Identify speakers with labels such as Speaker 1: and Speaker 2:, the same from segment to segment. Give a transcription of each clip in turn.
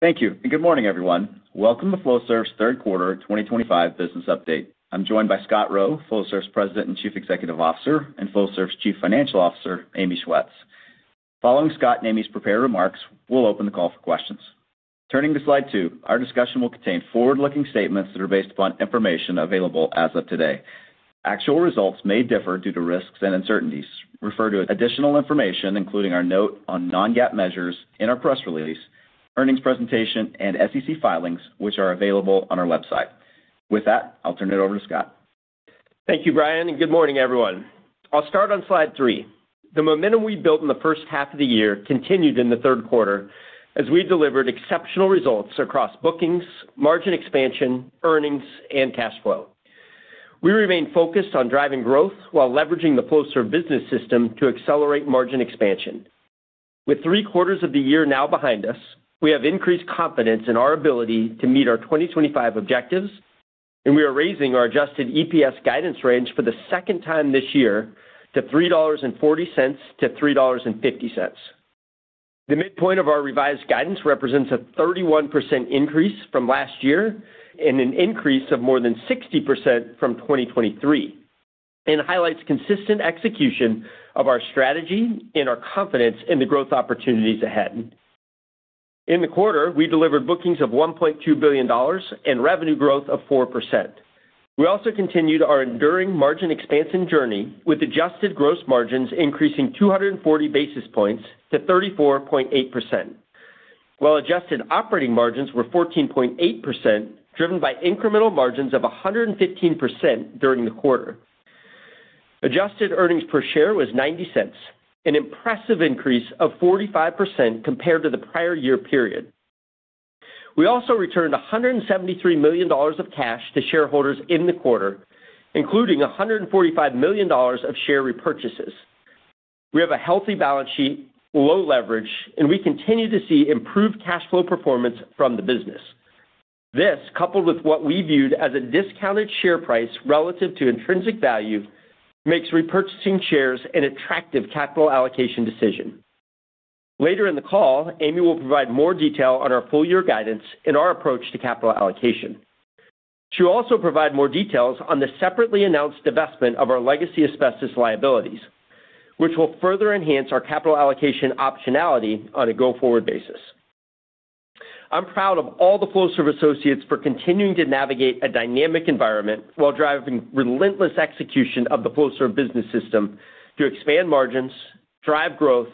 Speaker 1: Thank you, and good morning, everyone. Welcome to Flowserve's third quarter 2025 business update. I'm joined by Scott Rowe, Flowserve's President and Chief Executive Officer, and Flowserve's Chief Financial Officer, Amy Schwetz. Following Scott and Amy's prepared remarks, we'll open the call for questions. Turning to slide two, our discussion will contain forward-looking statements that are based upon information available as of today. Actual results may differ due to risks and uncertainties. Refer to additional information, including our note on non-GAAP measures in our press release, earnings presentation, and SEC filings, which are available on our website. With that, I'll turn it over to Scott.
Speaker 2: Thank you, Brian, and good morning, everyone. I'll start on slide three. The momentum we built in the first half of the year continued in the third quarter as we delivered exceptional results across bookings, margin expansion, earnings, and cash flow. We remain focused on driving growth while leveraging the Flowserve Business System to accelerate margin expansion. With three quarters of the year now behind us, we have increased confidence in our ability to meet our 2025 objectives, and we are raising our adjusted EPS guidance range for the second time this year to $3.40-$3.50. The midpoint of our revised guidance represents a 31% increase from last year and an increase of more than 60% from 2023, and highlights consistent execution of our strategy and our confidence in the growth opportunities ahead. In the quarter, we delivered bookings of $1.2 billion and revenue growth of 4%. We also continued our enduring margin expansion journey with adjusted gross margins increasing 240 basis points to 34.8%, while adjusted operating margins were 14.8%, driven by incremental margins of 115% during the quarter. Adjusted earnings per share was $0.90, an impressive increase of 45% compared to the prior year period. We also returned $173 million of cash to shareholders in the quarter, including $145 million of share repurchases. We have a healthy balance sheet, low leverage, and we continue to see improved cash flow performance from the business. This, coupled with what we viewed as a discounted share price relative to intrinsic value, makes repurchasing shares an attractive capital allocation decision. Later in the call, Amy will provide more detail on our full-year guidance and our approach to capital allocation. She will also provide more details on the separately announced divestment of our legacy asbestos liabilities, which will further enhance our capital allocation optionality on a go-forward basis. I'm proud of all the Flowserve associates for continuing to navigate a dynamic environment while driving relentless execution of the Flowserve Business System to expand margins, drive growth,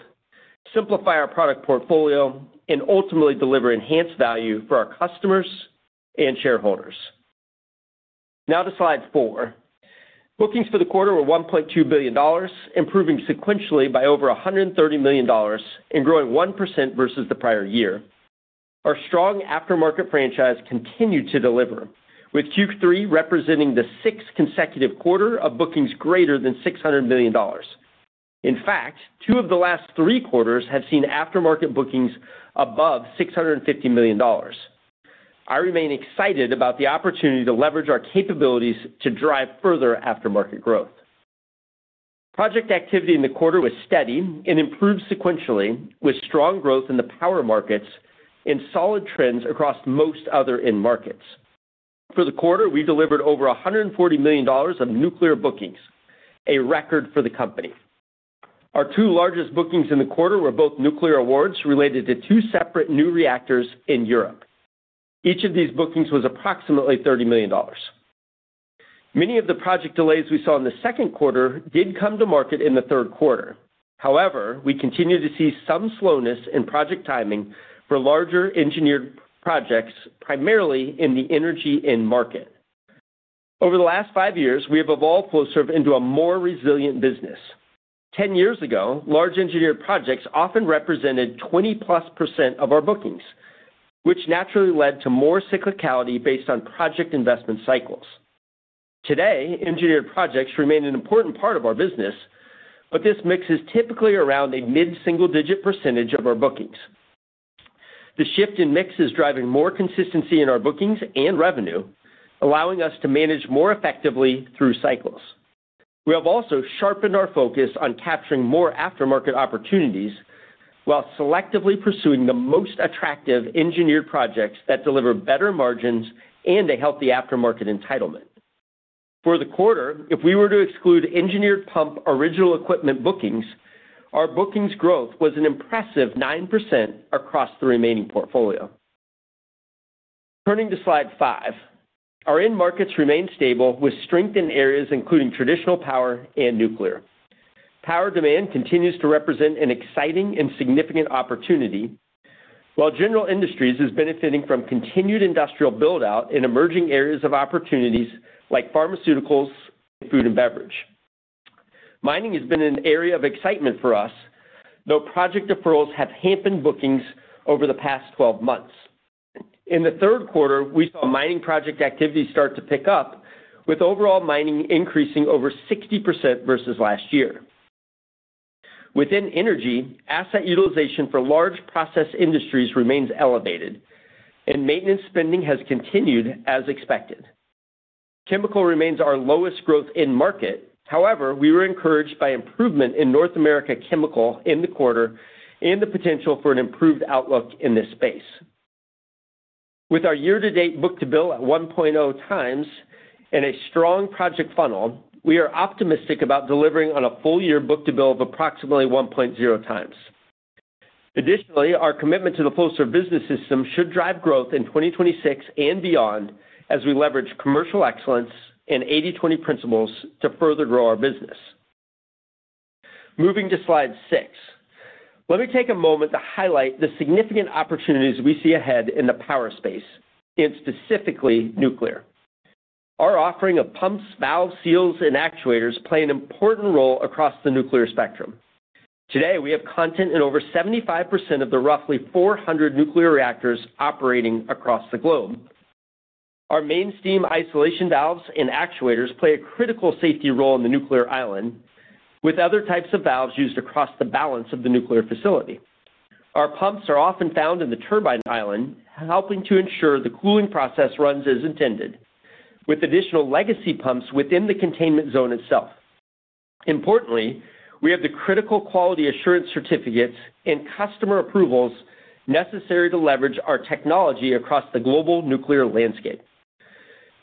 Speaker 2: simplify our product portfolio, and ultimately deliver enhanced value for our customers and shareholders. Now to slide four. Bookings for the quarter were $1.2 billion, improving sequentially by over $130 million and growing 1% versus the prior year. Our strong aftermarket franchise continued to deliver, with Q3 representing the sixth consecutive quarter of bookings greater than $600 million. In fact, two of the last three quarters have seen aftermarket bookings above $650 million. I remain excited about the opportunity to leverage our capabilities to drive further aftermarket growth. Project activity in the quarter was steady and improved sequentially, with strong growth in the power markets and solid trends across most other markets. For the quarter, we delivered over $140 million of nuclear bookings, a record for the company. Our two largest bookings in the quarter were both nuclear awards related to two separate new reactors in Europe. Each of these bookings was approximately $30 million. Many of the project delays we saw in the second quarter did come to market in the third quarter. However, we continue to see some slowness in project timing for larger engineered projects, primarily in the energy market. Over the last five years, we have evolved Flowserve into a more resilient business. Ten years ago, large engineered projects often represented 20%+ of our bookings, which naturally led to more cyclicality based on project investment cycles. Today, engineered projects remain an important part of our business, but this mix is typically around a mid-single-digit percentage of our bookings. The shift in mix is driving more consistency in our bookings and revenue, allowing us to manage more effectively through cycles. We have also sharpened our focus on capturing more aftermarket opportunities while selectively pursuing the most attractive engineered projects that deliver better margins and a healthy aftermarket entitlement. For the quarter, if we were to exclude engineered pump original equipment bookings, our bookings growth was an impressive 9% across the remaining portfolio. Turning to slide five, our end markets remain stable with strength in areas including traditional power and nuclear. Power demand continues to represent an exciting and significant opportunity, while general industries are benefiting from continued industrial build-out in emerging areas of opportunities like pharmaceuticals and food and beverage. Mining has been an area of excitement for us, though project referrals have hampered bookings over the past 12 months. In the third quarter, we saw mining project activity start to pick up, with overall mining increasing over 60% versus last year. Within energy, asset utilization for large process industries remains elevated, and maintenance spending has continued as expected. Chemical remains our lowest growth in market. However, we were encouraged by improvement in North America Chemical in the quarter and the potential for an improved outlook in this space. With our year-to-date book-to-bill at 1.0 times and a strong project funnel, we are optimistic about delivering on a full-year book-to-bill of approximately 1.0 times. Additionally, our commitment to the Flowserve Business System should drive growth in 2026 and beyond as we leverage commercial excellence and 80/20 principles to further grow our business. Moving to slide six, let me take a moment to highlight the significant opportunities we see ahead in the power space and specifically nuclear. Our offering of pumps, valves, seals, and actuators plays an important role across the nuclear spectrum. Today, we have content in over 75% of the roughly 400 nuclear reactors operating across the globe. Our main steam isolation valves and actuators play a critical safety role in the nuclear island, with other types of valves used across the balance of the nuclear facility. Our pumps are often found in the turbine island, helping to ensure the cooling process runs as intended, with additional legacy pumps within the containment zone itself. Importantly, we have the critical quality assurance certificates and customer approvals necessary to leverage our technology across the global nuclear landscape.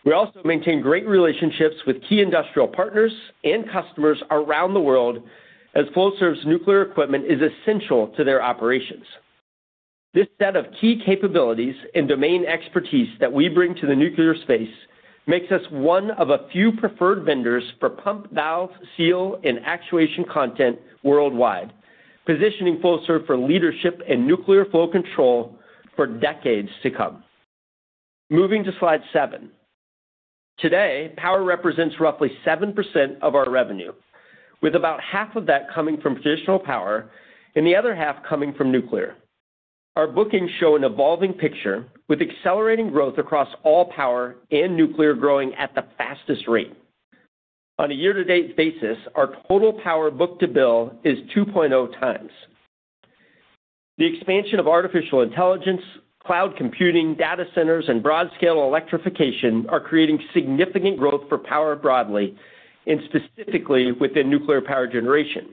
Speaker 2: We also maintain great relationships with key industrial partners and customers around the world, as Flowserve's nuclear equipment is essential to their operations. This set of key capabilities and domain expertise that we bring to the nuclear space makes us one of a few preferred vendors for pump, valve, seal, and actuation content worldwide, positioning Flowserve for leadership and nuclear flow control for decades to come. Moving to slide seven. Today, power represents roughly 7% of our revenue, with about half of that coming from traditional power and the other half coming from nuclear. Our bookings show an evolving picture with accelerating growth across all power and nuclear, growing at the fastest rate. On a year-to-date basis, our total power book-to-bill is 2.0 times. The expansion of artificial intelligence, cloud computing, data centers, and broad-scale electrification are creating significant growth for power broadly and specifically within nuclear power generation.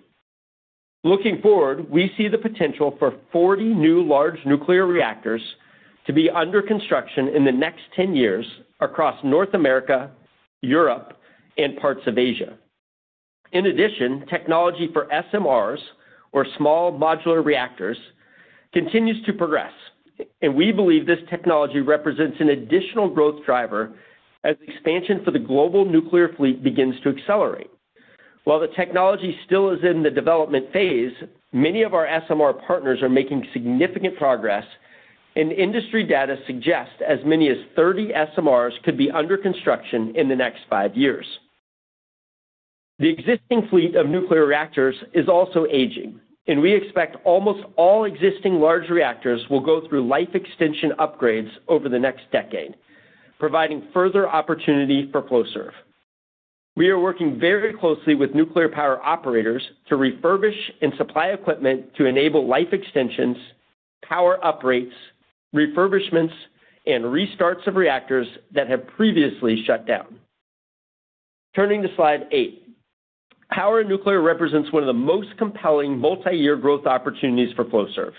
Speaker 2: Looking forward, we see the potential for 40 new large nuclear reactors to be under construction in the next ten years across North America, Europe, and parts of Asia. In addition, technology for SMRs, or small modular reactors, continues to progress, and we believe this technology represents an additional growth driver as the expansion for the global nuclear fleet begins to accelerate. While the technology still is in the development phase, many of our SMR partners are making significant progress, and industry data suggests as many as 30 SMRs could be under construction in the next five years. The existing fleet of nuclear reactors is also aging, and we expect almost all existing large reactors will go through life extension upgrades over the next decade, providing further opportunity for Flowserve. We are working very closely with nuclear power operators to refurbish and supply equipment to enable life extensions, power upgrades, refurbishments, and restarts of reactors that have previously shut down. Turning to slide eight, power and nuclear represents one of the most compelling multi-year growth opportunities for Flowserve.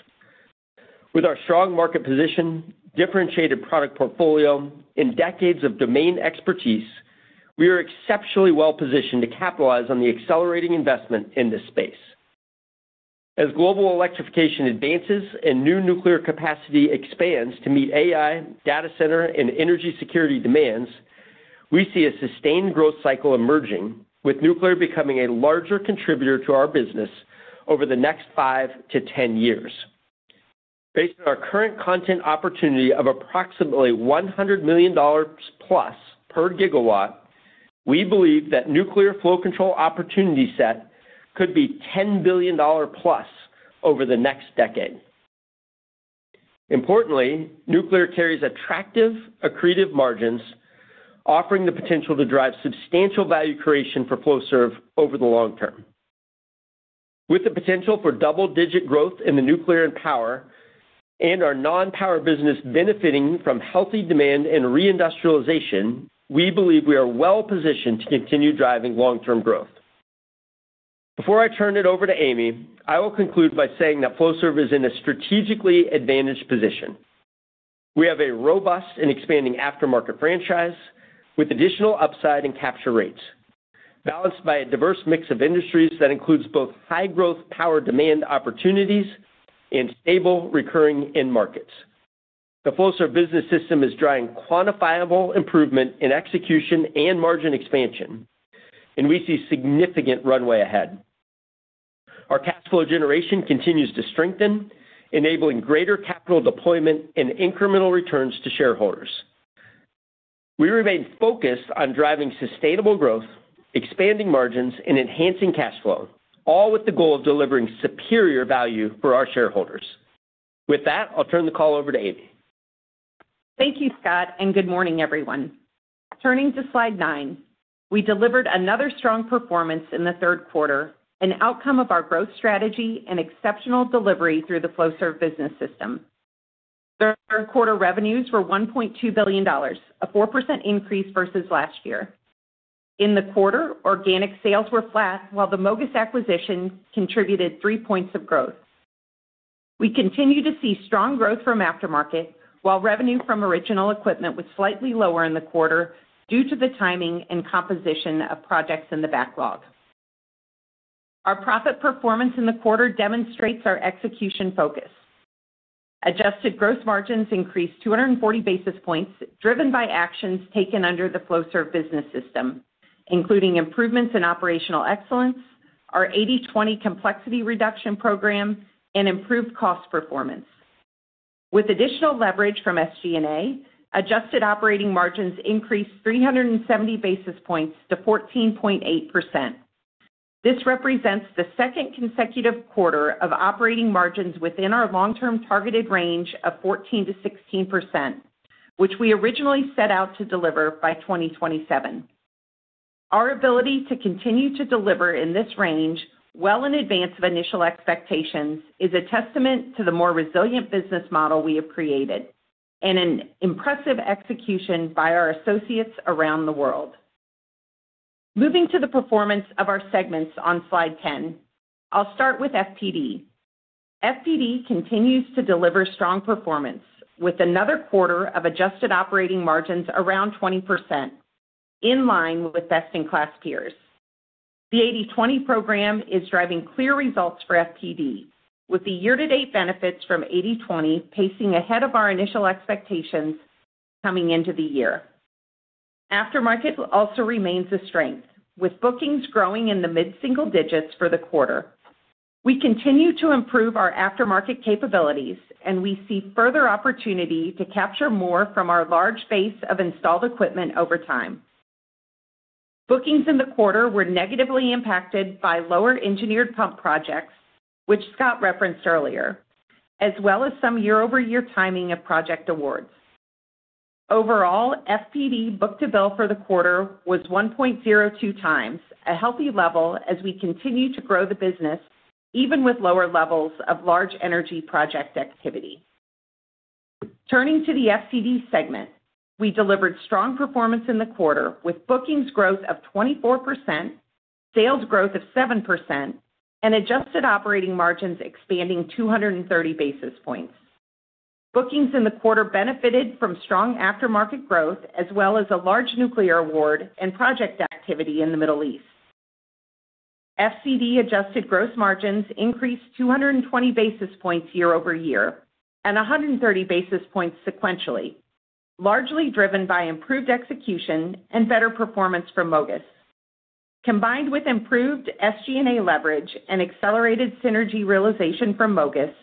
Speaker 2: With our strong market position, differentiated product portfolio, and decades of domain expertise, we are exceptionally well positioned to capitalize on the accelerating investment in this space. As global electrification advances and new nuclear capacity expands to meet AI, data center, and energy security demands, we see a sustained growth cycle emerging, with nuclear becoming a larger contributor to our business over the next five to 10 years. Based on our current content opportunity of approximately $100+ million per gigawatt, we believe that nuclear flow control opportunity set could be $10+ billion over the next decade. Importantly, nuclear carries attractive, accretive margins, offering the potential to drive substantial value creation for Flowserve over the long term. With the potential for double-digit growth in the nuclear and power and our non-power business benefiting from healthy demand and reindustrialization, we believe we are well positioned to continue driving long-term growth. Before I turn it over to Amy, I will conclude by saying that Flowserve is in a strategically advantaged position. We have a robust and expanding aftermarket franchise with additional upside and capture rates balanced by a diverse mix of industries that includes both high growth power demand opportunities and stable recurring end markets. The Flowserve Business System is driving quantifiable improvement in execution and margin expansion, and we see significant runway ahead. Our cash flow generation continues to strengthen, enabling greater capital deployment and incremental returns to shareholders. We remain focused on driving sustainable growth, expanding margins, and enhancing cash flow, all with the goal of delivering superior value for our shareholders. With that, I'll turn the call over to Amy.
Speaker 3: Thank you, Scott, and good morning, everyone. Turning to slide nine, we delivered another strong performance in the third quarter, an outcome of our growth strategy and exceptional delivery through the Flowserve Business System. The third quarter revenues were $1.2 billion, a 4% increase versus last year. In the quarter, organic sales were flat, while the MOGAS acquisition contributed three points of growth. We continue to see strong growth from aftermarket, while revenue from original equipment was slightly lower in the quarter due to the timing and composition of projects in the backlog. Our profit performance in the quarter demonstrates our execution focus. Adjusted gross margins increased 240 basis points, driven by actions taken under the Flowserve Business System, including improvements in operational excellence, our 80/20 complexity reduction program, and improved cost performance. With additional leverage from SG&A, adjusted operating margins increased 370 basis points to 14.8%. This represents the second consecutive quarter of operating margins within our long-term targeted range of 14%-16%, which we originally set out to deliver by 2027. Our ability to continue to deliver in this range well in advance of initial expectations is a testament to the more resilient business model we have created and an impressive execution by our associates around the world. Moving to the performance of our segments on slide ten, I'll start with FTD. FTD continues to deliver strong performance with another quarter of adjusted operating margins around 20%, in line with best-in-class peers. The 80/20 program is driving clear results for FTD, with the year-to-date benefits from 80/20 pacing ahead of our initial expectations coming into the year. Aftermarket also remains a strength, with bookings growing in the mid-single digits for the quarter. We continue to improve our aftermarket capabilities, and we see further opportunity to capture more from our large base of installed equipment over time. Bookings in the quarter were negatively impacted by lower engineered pump projects, which Scott referenced earlier, as well as some year-over-year timing of project awards. Overall, FTD book-to-bill for the quarter was 1.02 times, a healthy level as we continue to grow the business, even with lower levels of large energy project activity. Turning to the FTD segment, we delivered strong performance in the quarter with bookings growth of 24%, sales growth of 7%, and adjusted operating margins expanding 230 basis points. Bookings in the quarter benefited from strong aftermarket growth, as well as a large nuclear award and project activity in the Middle East. FTD adjusted gross margins increased 220 basis points year over year and 130 basis points sequentially, largely driven by improved execution and better performance from MOGAS. Combined with improved SG&A leverage and accelerated synergy realization from MOGAS,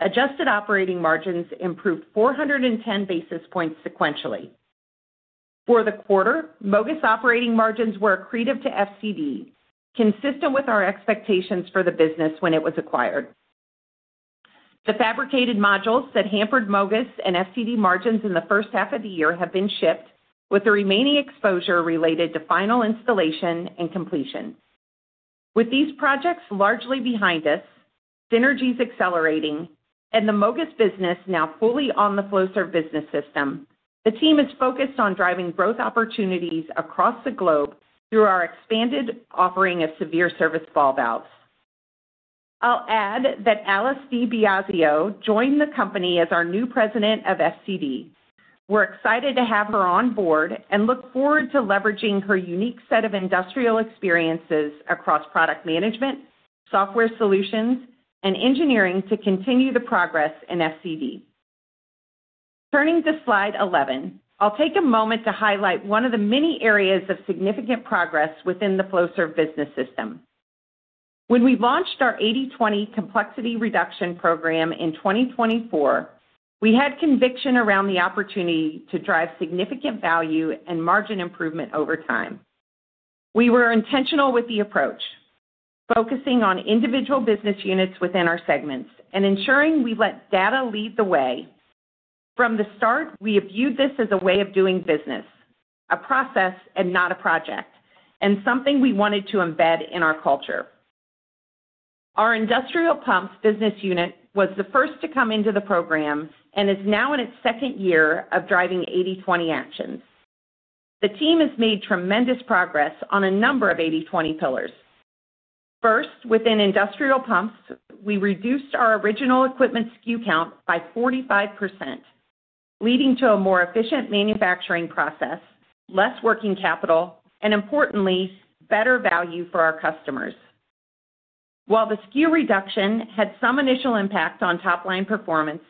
Speaker 3: adjusted operating margins improved 410 basis points sequentially. For the quarter, MOGAS operating margins were accretive to FTD, consistent with our expectations for the business when it was acquired. The fabricated modules that hampered MOGAS and FTD margins in the first half of the year have been shipped, with the remaining exposure related to final installation and completion. With these projects largely behind us, synergies accelerating, and the MOGAS business now fully on the Flowserve Business System, the team is focused on driving growth opportunities across the globe through our expanded offering of severe service ball valves. I'll add that Alice DiBiasio joined the company as our new President of FTD. We're excited to have her on board and look forward to leveraging her unique set of industrial experiences across product management, software solutions, and engineering to continue the progress in FTD. Turning to slide 11, I'll take a moment to highlight one of the many areas of significant progress within the Flowserve Business System. When we launched our 80/20 complexity reduction program in 2024, we had conviction around the opportunity to drive significant value and margin improvement over time. We were intentional with the approach, focusing on individual business units within our segments and ensuring we let data lead the way. From the start, we viewed this as a way of doing business, a process and not a project, and something we wanted to embed in our culture. Our industrial pumps business unit was the first to come into the program and is now in its second year of driving 80/20 actions. The team has made tremendous progress on a number of 80/20 pillars. First, within industrial pumps, we reduced our original equipment SKU count by 45%, leading to a more efficient manufacturing process, less working capital, and importantly, better value for our customers. While the SKU reduction had some initial impact on top-line performance,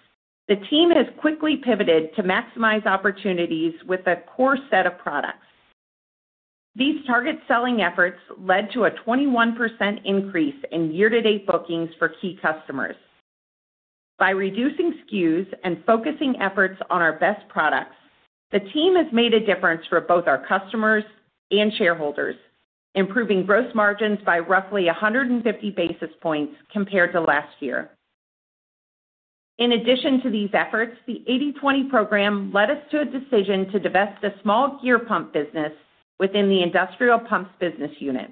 Speaker 3: the team has quickly pivoted to maximize opportunities with a core set of products. These target selling efforts led to a 21% increase in year-to-date bookings for key customers. By reducing SKUs and focusing efforts on our best products, the team has made a difference for both our customers and shareholders, improving gross margins by roughly 150 basis points compared to last year. In addition to these efforts, the 80/20 program led us to a decision to divest a small gear pump business within the industrial pumps business unit.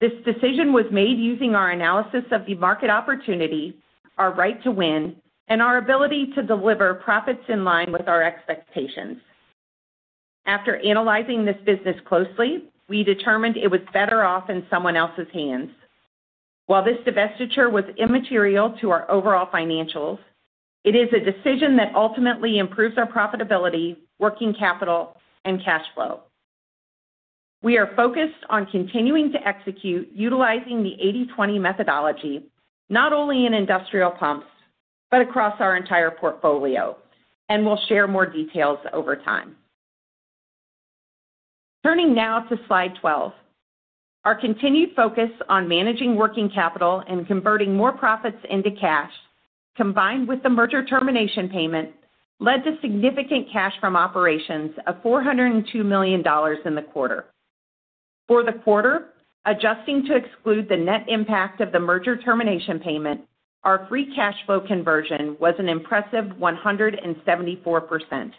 Speaker 3: This decision was made using our analysis of the market opportunity, our right to win, and our ability to deliver profits in line with our expectations. After analyzing this business closely, we determined it was better off in someone else's hands. While this divestiture was immaterial to our overall financials, it is a decision that ultimately improves our profitability, working capital, and cash flow. We are focused on continuing to execute utilizing the 80/20 methodology, not only in industrial pumps but across our entire portfolio, and we'll share more details over time. Turning now to slide 12, our continued focus on managing working capital and converting more profits into cash, combined with the merger termination payment, led to significant cash from operations of $402 million in the quarter. For the quarter, adjusting to exclude the net impact of the merger termination payment, our free cash flow conversion was an impressive 174%.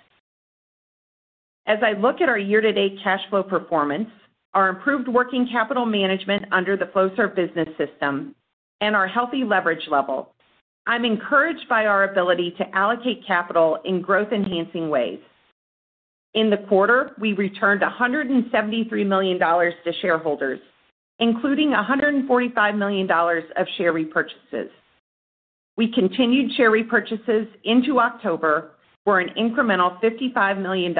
Speaker 3: As I look at our year-to-date cash flow performance, our improved working capital management under the Flowserve Business System, and our healthy leverage level, I'm encouraged by our ability to allocate capital in growth-enhancing ways. In the quarter, we returned $173 million to shareholders, including $145 million of share repurchases. We continued share repurchases into October for an incremental $55 million,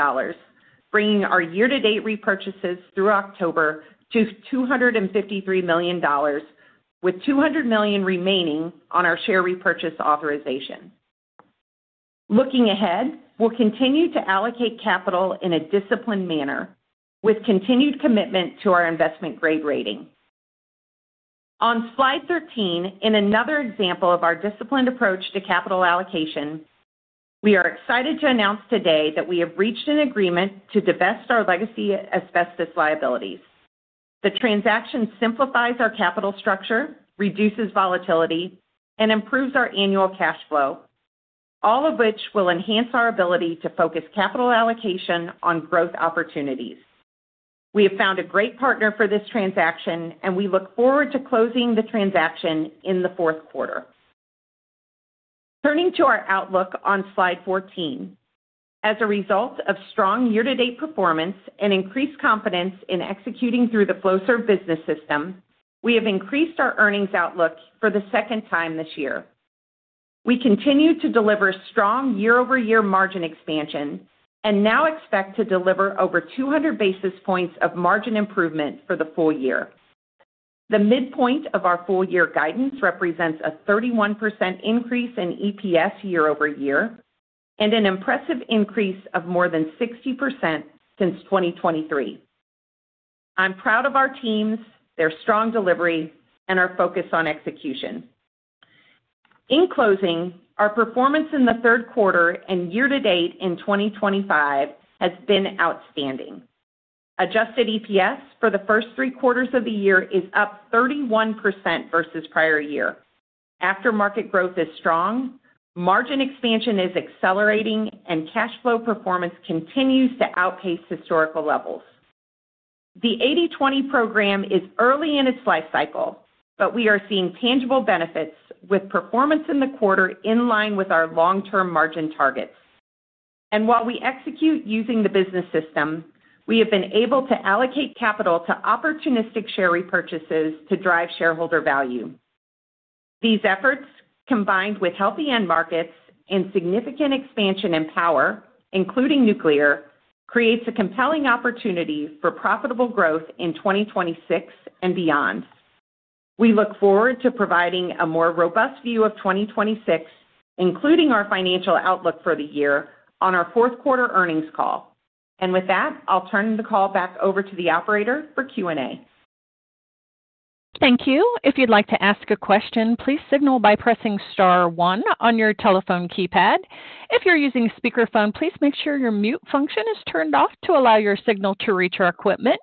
Speaker 3: bringing our year-to-date repurchases through October to $253 million, with $200 million remaining on our share repurchase authorization. Looking ahead, we'll continue to allocate capital in a disciplined manner with continued commitment to our investment grade rating. On slide 13, in another example of our disciplined approach to capital allocation, we are excited to announce today that we have reached an agreement to divest our legacy asbestos liabilities. The transaction simplifies our capital structure, reduces volatility, and improves our annual cash flow, all of which will enhance our ability to focus capital allocation on growth opportunities. We have found a great partner for this transaction, and we look forward to closing the transaction in the fourth quarter. Turning to our outlook on slide 14, as a result of strong year-to-date performance and increased confidence in executing through the Flowserve Business System, we have increased our earnings outlook for the second time this year. We continue to deliver strong year-over-year margin expansion and now expect to deliver over 200 basis points of margin improvement for the full year. The midpoint of our full-year guidance represents a 31% increase in EPS year over year and an impressive increase of more than 60% since 2023. I'm proud of our teams, their strong delivery, and our focus on execution. In closing, our performance in the third quarter and year to date in 2023 has been outstanding. Adjusted EPS for the first three quarters of the year is up 31% versus prior year. Aftermarket growth is strong, margin expansion is accelerating, and cash flow performance continues to outpace historical levels. The 80/20 program is early in its lifecycle, but we are seeing tangible benefits with performance in the quarter in line with our long-term margin targets. While we execute using the business system, we have been able to allocate capital to opportunistic share repurchases to drive shareholder value. These efforts, combined with healthy end markets and significant expansion in power, including nuclear, create a compelling opportunity for profitable growth in 2024 and beyond. We look forward to providing a more robust view of 2024, including our financial outlook for the year, on our fourth quarter earnings call. With that, I'll turn the call back over to the operator for Q&A.
Speaker 4: Thank you. If you'd like to ask a question, please signal by pressing star one on your telephone keypad. If you're using speakerphone, please make sure your mute function is turned off to allow your signal to reach our equipment.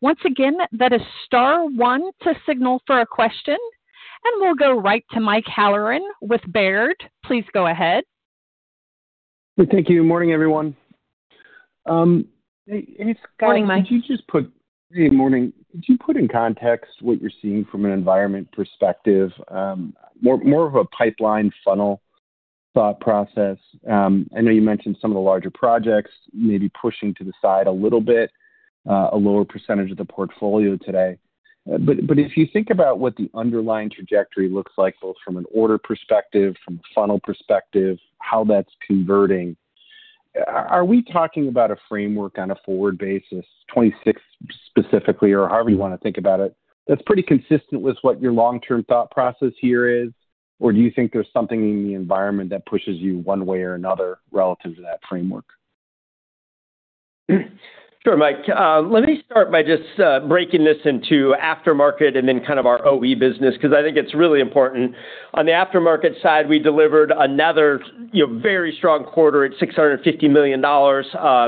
Speaker 4: Once again, that is star one to signal for a question, and we'll go right to Mike Halloran with Baird. Please go ahead.
Speaker 5: Thank you. Good morning, everyone.
Speaker 3: Morning, Mike.
Speaker 5: Good morning. Could you put in context what you're seeing from an environment perspective? More of a pipeline funnel thought process. I know you mentioned some of the larger projects may be pushing to the side a little bit, a lower percentage of the portfolio today. If you think about what the underlying trajectory looks like, both from an order perspective, from a funnel perspective, how that's converting, are we talking about a framework on a forward basis, 2026 specifically, or however you want to think about it, that's pretty consistent with what your long-term thought process here is? Do you think there's something in the environment that pushes you one way or another relative to that framework?
Speaker 2: Sure, Mike. Let me start by just breaking this into aftermarket and then kind of our OEM business because I think it's really important. On the aftermarket side, we delivered another very strong quarter at $650 million.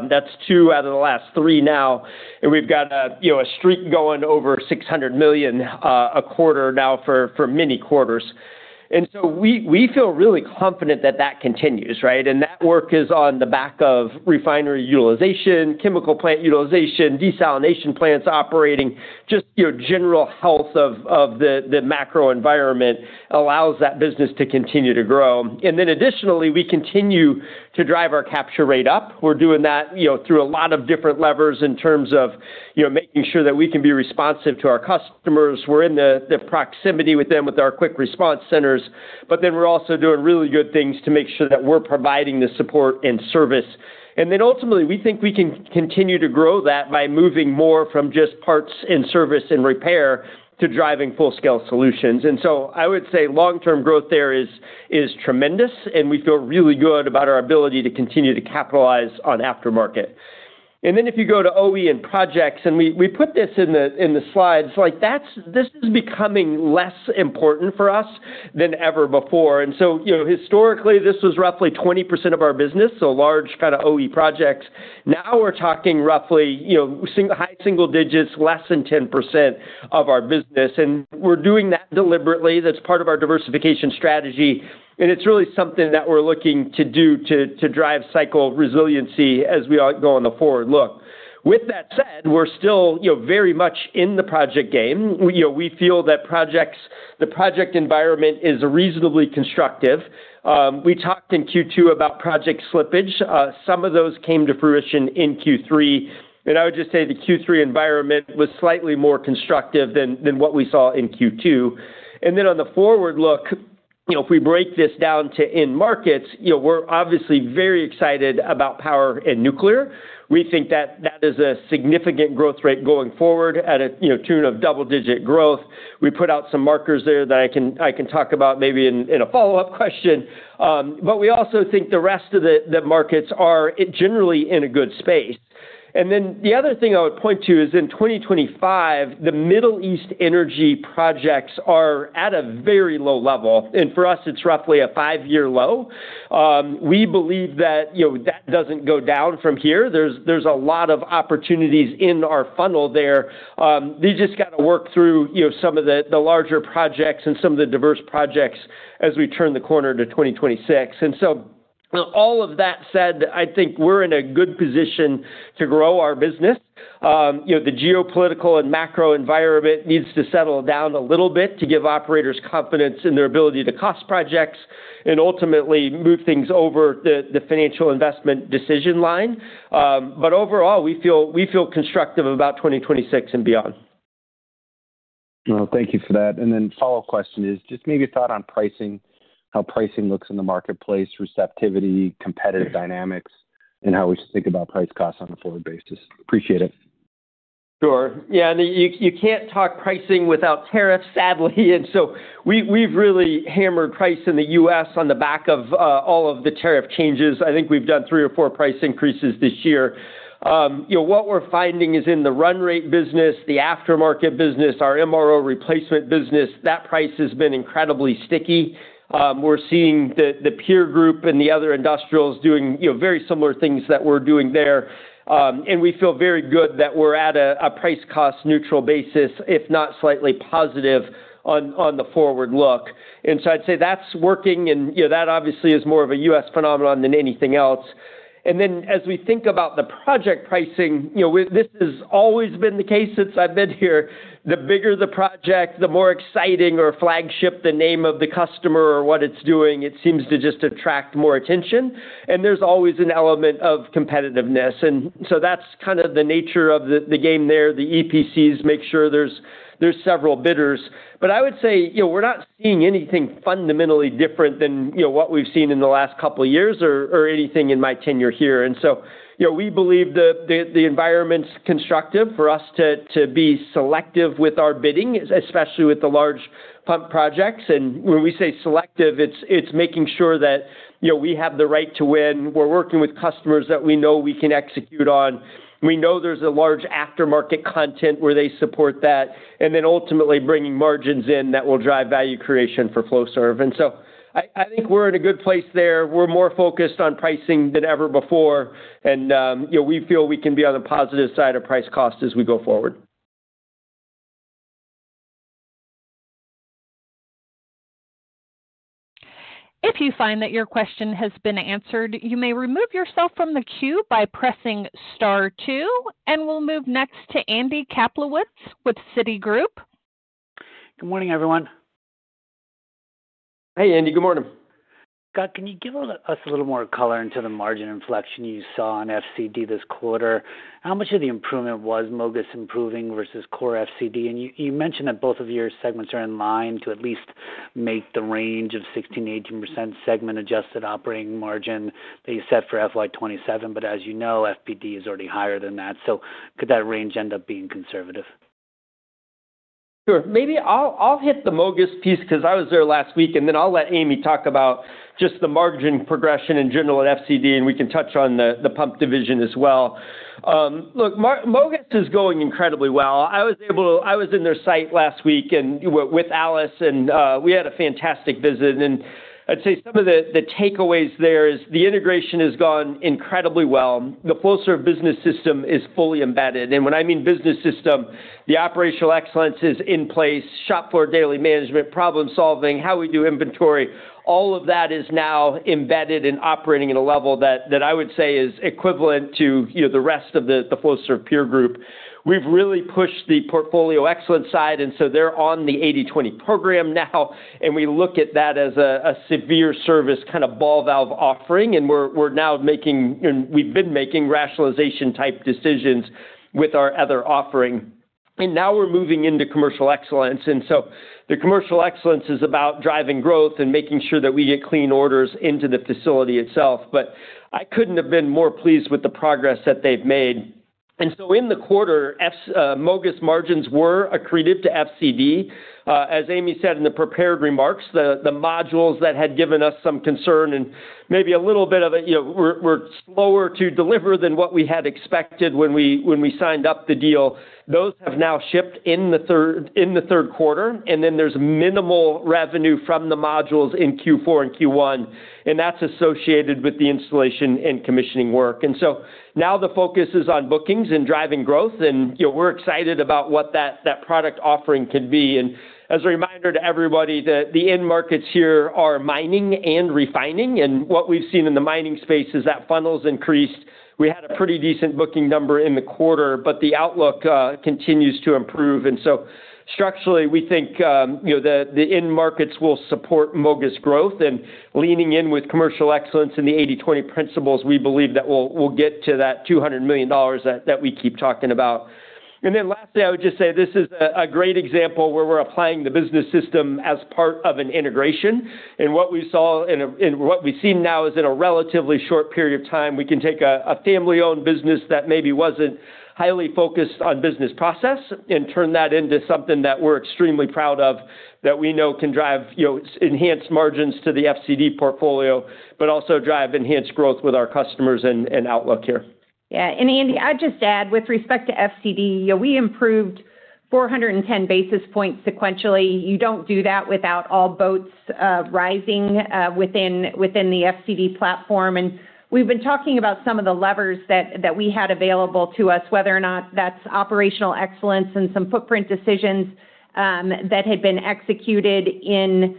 Speaker 2: That's two out of the last three now. We've got a streak going over $600 million a quarter now for many quarters. We feel really confident that that continues, right? That work is on the back of refinery utilization, chemical plant utilization, desalination plants operating, just general health of the macro environment allows that business to continue to grow. Additionally, we continue to drive our capture rate up. We're doing that through a lot of different levers in terms of making sure that we can be responsive to our customers. We're in the proximity with them with our quick response centers. We're also doing really good things to make sure that we're providing the support and service. Ultimately, we think we can continue to grow that by moving more from just parts and service and repair to driving full-scale solutions. I would say long-term growth there is tremendous, and we feel really good about our ability to continue to capitalize on aftermarket. If you go to OEM and projects, and we put this in the slides, this is becoming less important for us than ever before. Historically, this was roughly 20% of our business, so large kind of OEM projects. Now we're talking roughly high single digits, less than 10% of our business. We're doing that deliberately. That's part of our diversification strategy. It's really something that we're looking to do to drive cycle resiliency as we go on the forward look. With that said, we're still very much in the project game. We feel that the project environment is reasonably constructive. We talked in Q2 about project slippage. Some of those came to fruition in Q3. I would just say the Q3 environment was slightly more constructive than what we saw in Q2. On the forward look, if we break this down to end markets, you know we're obviously very excited about power and nuclear. We think that that is a significant growth rate going forward at a tune of double-digit growth. We put out some markers there that I can talk about maybe in a follow-up question. We also think the rest of the markets are generally in a good space. The other thing I would point to is in 2025, the Middle East energy projects are at a very low level. For us, it's roughly a five-year low. We believe that that doesn't go down from here. There's a lot of opportunities in our funnel there. We just got to work through some of the larger projects and some of the diverse projects as we turn the corner to 2026. All of that said, I think we're in a good position to grow our business. The geopolitical and macro environment needs to settle down a little bit to give operators confidence in their ability to cost projects and ultimately move things over the financial investment decision line. Overall, we feel constructive about 2026 and beyond.
Speaker 5: Thank you for that. A follow-up question is just maybe a thought on pricing, how pricing looks in the marketplace, receptivity, competitive dynamics, and how we should think about price costs on a forward basis. Appreciate it.
Speaker 2: Sure. Yeah, and you can't talk pricing without tariffs, sadly. We've really hammered price in the U.S. on the back of all of the tariff changes. I think we've done three or four price increases this year. What we're finding is in the run rate business, the aftermarket business, our MRO replacement business, that price has been incredibly sticky. We're seeing the peer group and the other industrials doing very similar things that we're doing there. We feel very good that we're at a price cost neutral basis, if not slightly positive on the forward look. I'd say that's working. That obviously is more of a U.S. phenomenon than anything else. As we think about the project pricing, this has always been the case since I've been here. The bigger the project, the more exciting or flagship the name of the customer or what it's doing, it seems to just attract more attention. There's always an element of competitiveness. That's kind of the nature of the game there. The EPCs make sure there's several bidders. I would say we're not seeing anything fundamentally different than what we've seen in the last couple of years or anything in my tenure here. We believe that the environment's constructive for us to be selective with our bidding, especially with the large pump projects. When we say selective, it's making sure that we have the right to win. We're working with customers that we know we can execute on. We know there's a large aftermarket content where they support that. Ultimately, bringing margins in that will drive value creation for Flowserve. I think we're in a good place there. We're more focused on pricing than ever before. We feel we can be on the positive side of price cost as we go forward.
Speaker 4: If you find that your question has been answered, you may remove yourself from the queue by pressing star two. We'll move next to Andy Kaplowitz with Citigroup.
Speaker 6: Good morning, everyone.
Speaker 2: Hey, Andy. Good morning.
Speaker 6: Scott, can you give us a little more color into the margin inflection you saw on FTD this quarter? How much of the improvement was MOGAS improving versus core FTD? You mentioned that both of your segments are in line to at least make the range of 16%-18% segment-adjusted operating margin that you set for FY 2027. As you know, FTD is already higher than that. Could that range end up being conservative?
Speaker 2: Sure. Maybe I'll hit the MOGAS piece because I was there last week. I'll let Amy talk about just the margin progression in general at FTD, and we can touch on the pump division as well. Look, MOGAS is going incredibly well. I was in their site last week with Alice, and we had a fantastic visit. I'd say some of the takeaways there is the integration has gone incredibly well. The Flowserve Business System is fully embedded. When I mean business system, the operational excellence is in place. Shop floor daily management, problem solving, how we do inventory, all of that is now embedded and operating at a level that I would say is equivalent to the rest of the Flowserve peer group. We've really pushed the portfolio excellence side. They're on the 80/20 program now. We look at that as a severe service kind of ball valve offering. We're now making, and we've been making, rationalization type decisions with our other offering. Now we're moving into commercial excellence. The commercial excellence is about driving growth and making sure that we get clean orders into the facility itself. I couldn't have been more pleased with the progress that they've made. In the quarter, MOGAS margins were accretive to FTD. As Amy said in the prepared remarks, the modules that had given us some concern and maybe a little bit of a, you know, were slower to deliver than what we had expected when we signed up the deal, those have now shipped in the third quarter. There's minimal revenue from the modules in Q4 and Q1, and that's associated with the installation and commissioning work. Now the focus is on bookings and driving growth. We're excited about what that product offering can be. As a reminder to everybody, the end markets here are mining and refining. What we've seen in the mining space is that funnels increased. We had a pretty decent booking number in the quarter, but the outlook continues to improve. Structurally, we think that the end markets will support MOGAS growth. Leaning in with commercial excellence and the 80/20 principles, we believe that we'll get to that $200 million that we keep talking about. Lastly, I would just say this is a great example where we're applying the business system as part of an integration. What we saw and what we've seen now is in a relatively short period of time, we can take a family-owned business that maybe wasn't highly focused on business process and turn that into something that we're extremely proud of that we know can drive enhanced margins to the FTD portfolio, but also drive enhanced growth with our customers and outlook here.
Speaker 3: Yeah. Andy, I'd just add with respect to FTD, we improved 410 basis points sequentially. You don't do that without all boats rising within the FTD platform. We've been talking about some of the levers that we had available to us, whether or not that's operational excellence and some footprint decisions that had been executed in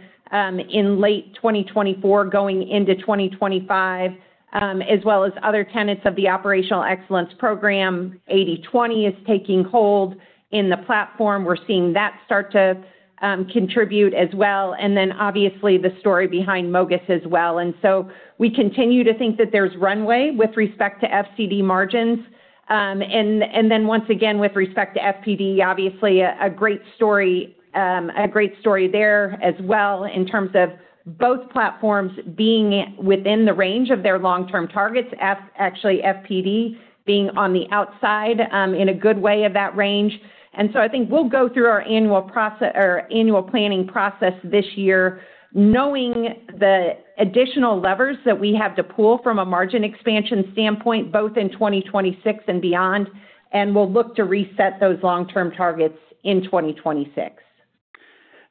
Speaker 3: late 2024, going into 2025, as well as other tenets of the operational excellence program. 80/20 is taking hold in the platform. We're seeing that start to contribute as well. Obviously, the story behind MOGAS as well. We continue to think that there's runway with respect to FTD margins. Once again, with respect to FTD, obviously a great story, a great story there as well in terms of both platforms being within the range of their long-term targets, actually FTD being on the outside in a good way of that range. I think we'll go through our annual planning process this year, knowing the additional levers that we have to pull from a margin expansion standpoint, both in 2026 and beyond. We'll look to reset those long-term targets in 2026.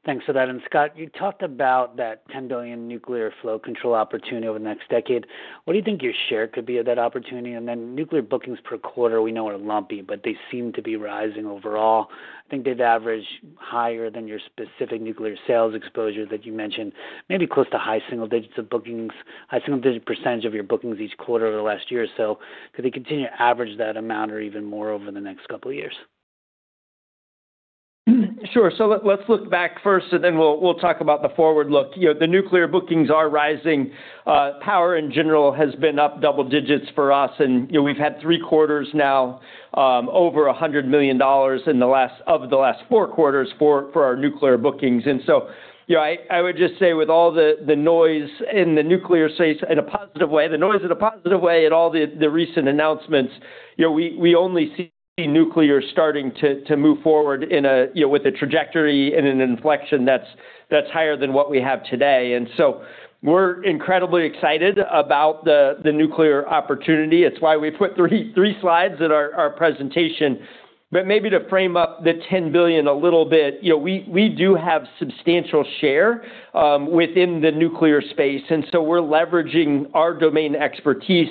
Speaker 6: Thanks for that. Scott, you talked about that $10 billion nuclear flow control opportunity over the next decade. What do you think your share could be of that opportunity? Nuclear bookings per quarter, we know are lumpy, but they seem to be rising overall. I think they've averaged higher than your specific nuclear sales exposure that you mentioned, maybe close to high single digits of bookings, high single digit percentage of your bookings each quarter over the last year or so. Could they continue to average that amount or even more over the next couple of years?
Speaker 2: Sure. Let's look back first, and then we'll talk about the forward look. The nuclear bookings are rising. Power in general has been up double digits for us. We've had three quarters now over $100 million in the last of the last four quarters for our nuclear bookings. I would just say with all the noise in the nuclear space in a positive way, the noise in a positive way at all the recent announcements, we only see nuclear starting to move forward with a trajectory and an inflection that's higher than what we have today. We're incredibly excited about the nuclear opportunity. It's why we put three slides in our presentation. Maybe to frame up the $10 billion a little bit, we do have substantial share within the nuclear space. We're leveraging our domain expertise.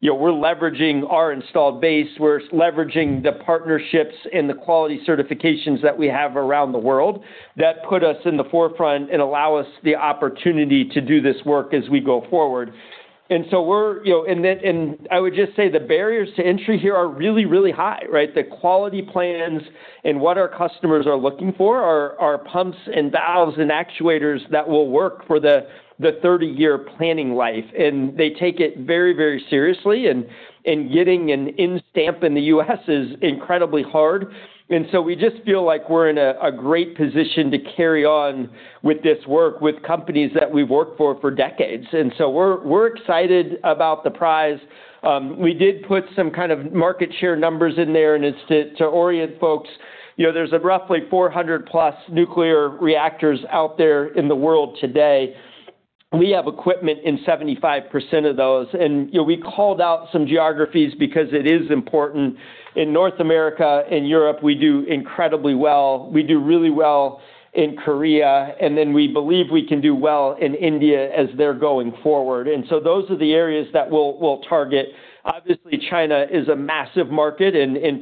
Speaker 2: We're leveraging our installed base. We're leveraging the partnerships and the quality certifications that we have around the world that put us in the forefront and allow us the opportunity to do this work as we go forward. I would just say the barriers to entry here are really, really high, right? The quality plans and what our customers are looking for are pumps and valves and actuators that will work for the 30-year planning life. They take it very, very seriously. Getting an in-stamp in the U.S. is incredibly hard. We just feel like we're in a great position to carry on with this work with companies that we've worked for for decades. We're excited about the prize. We did put some kind of market share numbers in there, and it's to orient folks. There's roughly 400+ nuclear reactors out there in the world today. We have equipment in 75% of those. We called out some geographies because it is important. In North America and Europe, we do incredibly well. We do really well in Korea. We believe we can do well in India as they're going forward. Those are the areas that we'll target. Obviously, China is a massive market and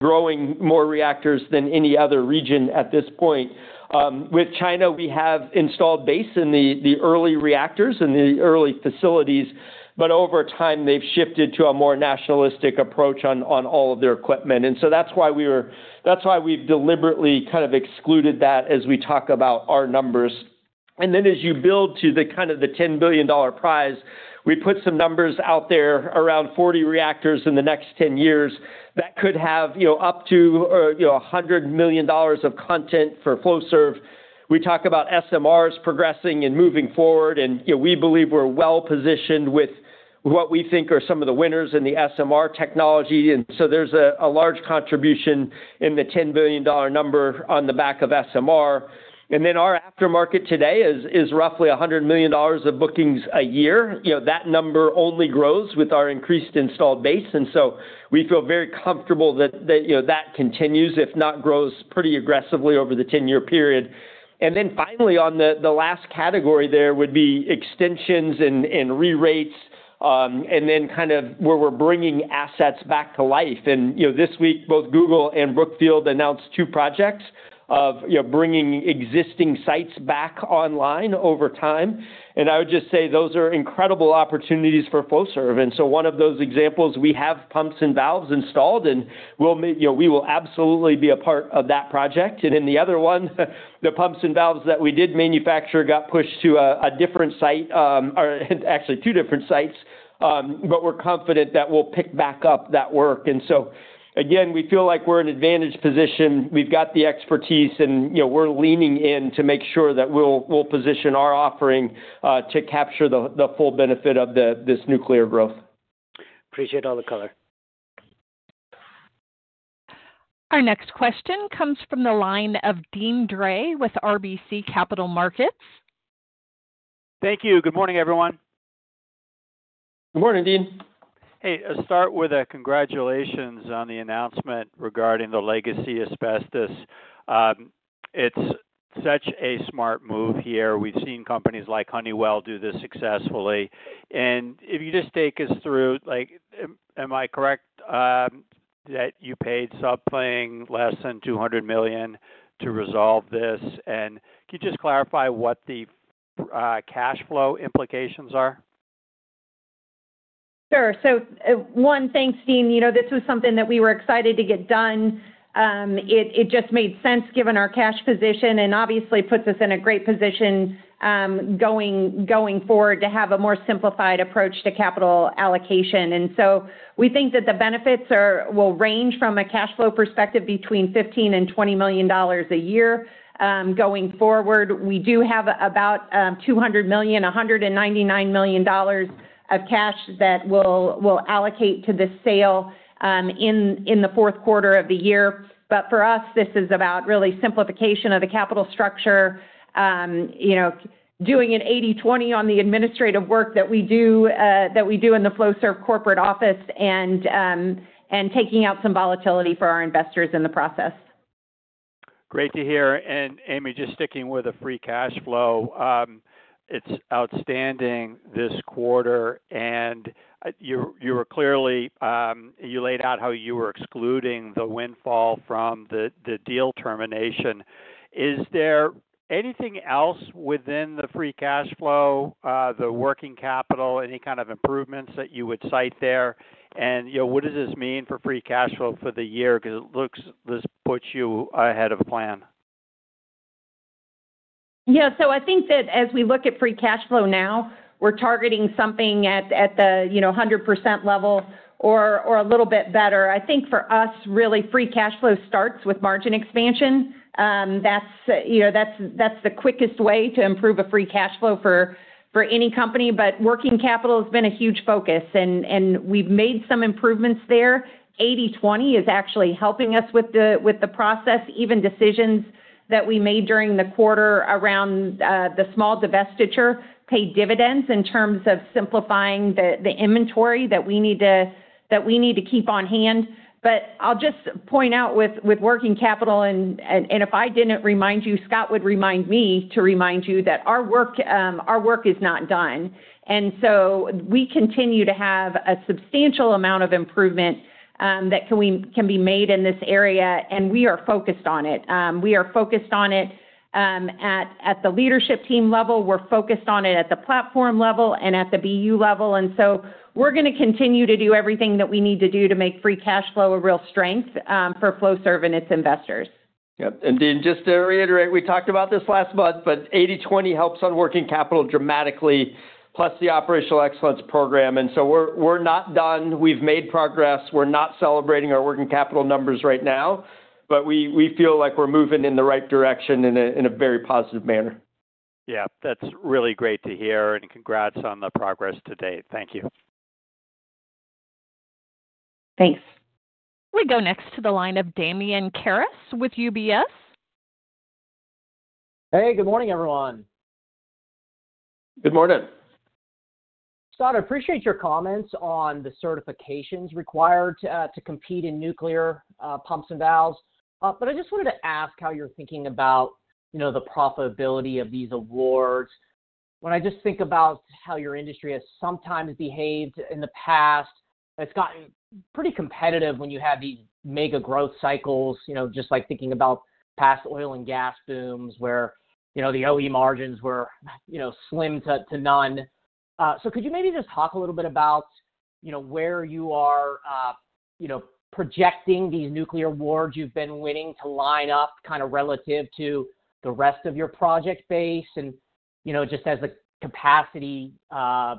Speaker 2: growing more reactors than any other region at this point. With China, we have installed base in the early reactors and the early facilities. Over time, they've shifted to a more nationalistic approach on all of their equipment. That's why we've deliberately kind of excluded that as we talk about our numbers. As you build to the kind of the $10 billion prize, we put some numbers out there, around 40 reactors in the next 10 years that could have up to $100 million of content for Flowserve. We talk about SMRs progressing and moving forward. We believe we're well positioned with what we think are some of the winners in the SMR technology. There is a large contribution in the $10 billion number on the back of SMR. Our aftermarket today is roughly $100 million of bookings a year. That number only grows with our increased installed base. We feel very comfortable that that continues, if not grows, pretty aggressively over the 10-year period. Finally, on the last category there would be extensions and re-rates, and then kind of where we're bringing assets back to life. This week, both Google and Brookfield announced two projects of bringing existing sites back online over time. I would just say those are incredible opportunities for Flowserve. One of those examples, we have pumps and valves installed, and we will absolutely be a part of that project. The other one, the pumps and valves that we did manufacture got pushed to a different site, or actually two different sites. We're confident that we'll pick back up that work. We feel like we're in an advantaged position. We've got the expertise, and we're leaning in to make sure that we'll position our offering to capture the full benefit of this nuclear growth.
Speaker 6: Appreciate all the color.
Speaker 4: Our next question comes from the line of Deane Dray with RBC Capital Markets.
Speaker 7: Thank you. Good morning, everyone.
Speaker 2: Good morning, Deane.
Speaker 7: Hey, I'll start with congratulations on the announcement regarding the legacy asbestos. It's such a smart move here. We've seen companies like Honeywell do this successfully. If you just take us through, like am I correct that you paid something less than $200 million to resolve this? Can you just clarify what the cash flow implications are?
Speaker 3: Sure. Thanks, Deane. You know this was something that we were excited to get done. It just made sense given our cash position and obviously puts us in a great position going forward to have a more simplified approach to capital allocation. We think that the benefits will range from a cash flow perspective between $15 million and $20 million a year. Going forward, we do have about $200 million, $199 million of cash that we'll allocate to this sale in the fourth quarter of the year. For us, this is about really simplification of the capital structure, doing an 80/20 on the administrative work that we do in the Flowserve corporate office, and taking out some volatility for our investors in the process.
Speaker 7: Great to hear. Amy, just sticking with the free cash flow, it's outstanding this quarter. You were clearly, you laid out how you were excluding the windfall from the deal termination. Is there anything else within the free cash flow, the working capital, any kind of improvements that you would cite there? What does this mean for free cash flow for the year? Because it looks this puts you ahead of a plan.
Speaker 3: Yeah. I think that as we look at free cash flow now, we're targeting something at the 100% level or a little bit better. I think for us, really, free cash flow starts with margin expansion. That's the quickest way to improve free cash flow for any company. Working capital has been a huge focus, and we've made some improvements there. The 80/20 is actually helping us with the process. Even decisions that we made during the quarter around the small divestiture pay dividends in terms of simplifying the inventory that we need to keep on hand. I'll just point out with working capital, and if I didn't remind you, Scott would remind me to remind you that our work is not done. We continue to have a substantial amount of improvement that can be made in this area, and we are focused on it. We are focused on it at the leadership team level, at the platform level, and at the BU level. We're going to continue to do everything that we need to do to make free cash flow a real strength for Flowserve and its investors.
Speaker 2: Yeah. Dean, just to reiterate, we talked about this last month, 80/20 helps on working capital dramatically, plus the operational excellence program. We're not done. We've made progress. We're not celebrating our working capital numbers right now, but we feel like we're moving in the right direction in a very positive manner.
Speaker 7: Yeah, that's really great to hear. Congrats on the progress to date. Thank you.
Speaker 3: Thanks.
Speaker 4: We go next to the line of Damian Karas with UBS.
Speaker 8: Hey, good morning, everyone.
Speaker 2: Good morning.
Speaker 8: Scott, I appreciate your comments on the certifications required to compete in nuclear pumps and valves. I just wanted to ask how you're thinking about the profitability of these awards. When I think about how your industry has sometimes behaved in the past, it's gotten pretty competitive when you have these mega growth cycles, just like thinking about past oil and gas booms where the OEM margins were slim to none. Could you maybe just talk a little bit about where you are projecting these nuclear awards you've been winning to line up kind of relative to the rest of your project base? As the capacity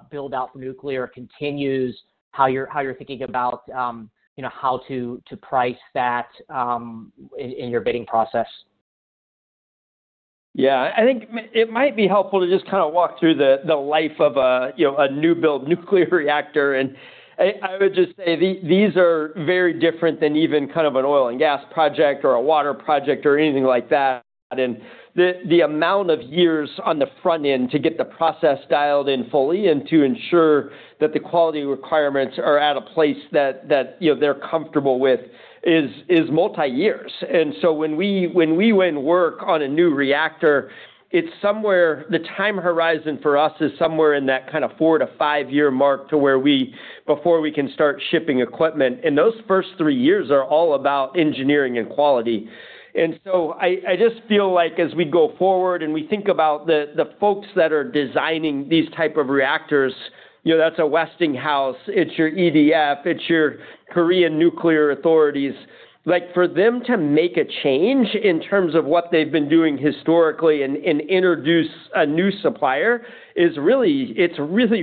Speaker 8: build-out for nuclear continues, how you're thinking about how to price that in your bidding process?
Speaker 2: Yeah, I think it might be helpful to just kind of walk through the life of a new-built nuclear reactor. I would just say these are very different than even kind of an oil and gas project or a water project or anything like that. The amount of years on the front end to get the process dialed in fully and to ensure that the quality requirements are at a place that they're comfortable with is multi-years. When we went and worked on a new reactor, the time horizon for us is somewhere in that kind of four to five-year mark before we can start shipping equipment. Those first three years are all about engineering and quality. I just feel like as we go forward and we think about the folks that are designing these types of reactors, you know that's a Westinghouse, it's your EDF, it's your Korean nuclear authorities, for them to make a change in terms of what they've been doing historically and introduce a new supplier, it's really,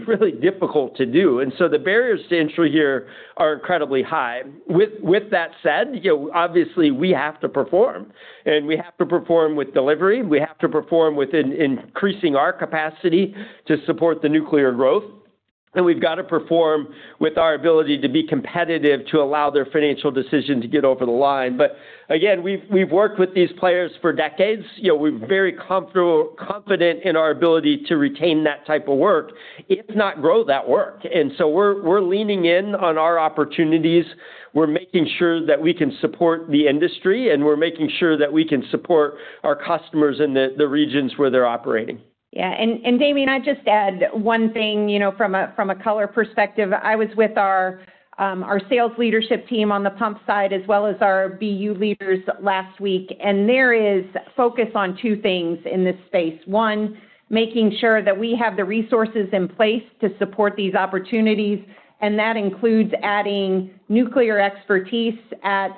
Speaker 2: really difficult to do. The barriers to entry here are incredibly high. With that said, obviously we have to perform. We have to perform with delivery. We have to perform with increasing our capacity to support the nuclear growth. We've got to perform with our ability to be competitive to allow their financial decision to get over the line. Again, we've worked with these players for decades. We're very confident in our ability to retain that type of work, if not grow that work. We're leaning in on our opportunities. We're making sure that we can support the industry, and we're making sure that we can support our customers in the regions where they're operating.
Speaker 3: Yeah. Damian, I'd just add one thing from a color perspective. I was with our sales leadership team on the pump side as well as our BU leaders last week. There is focus on two things in this space. One, making sure that we have the resources in place to support these opportunities. That includes adding nuclear expertise at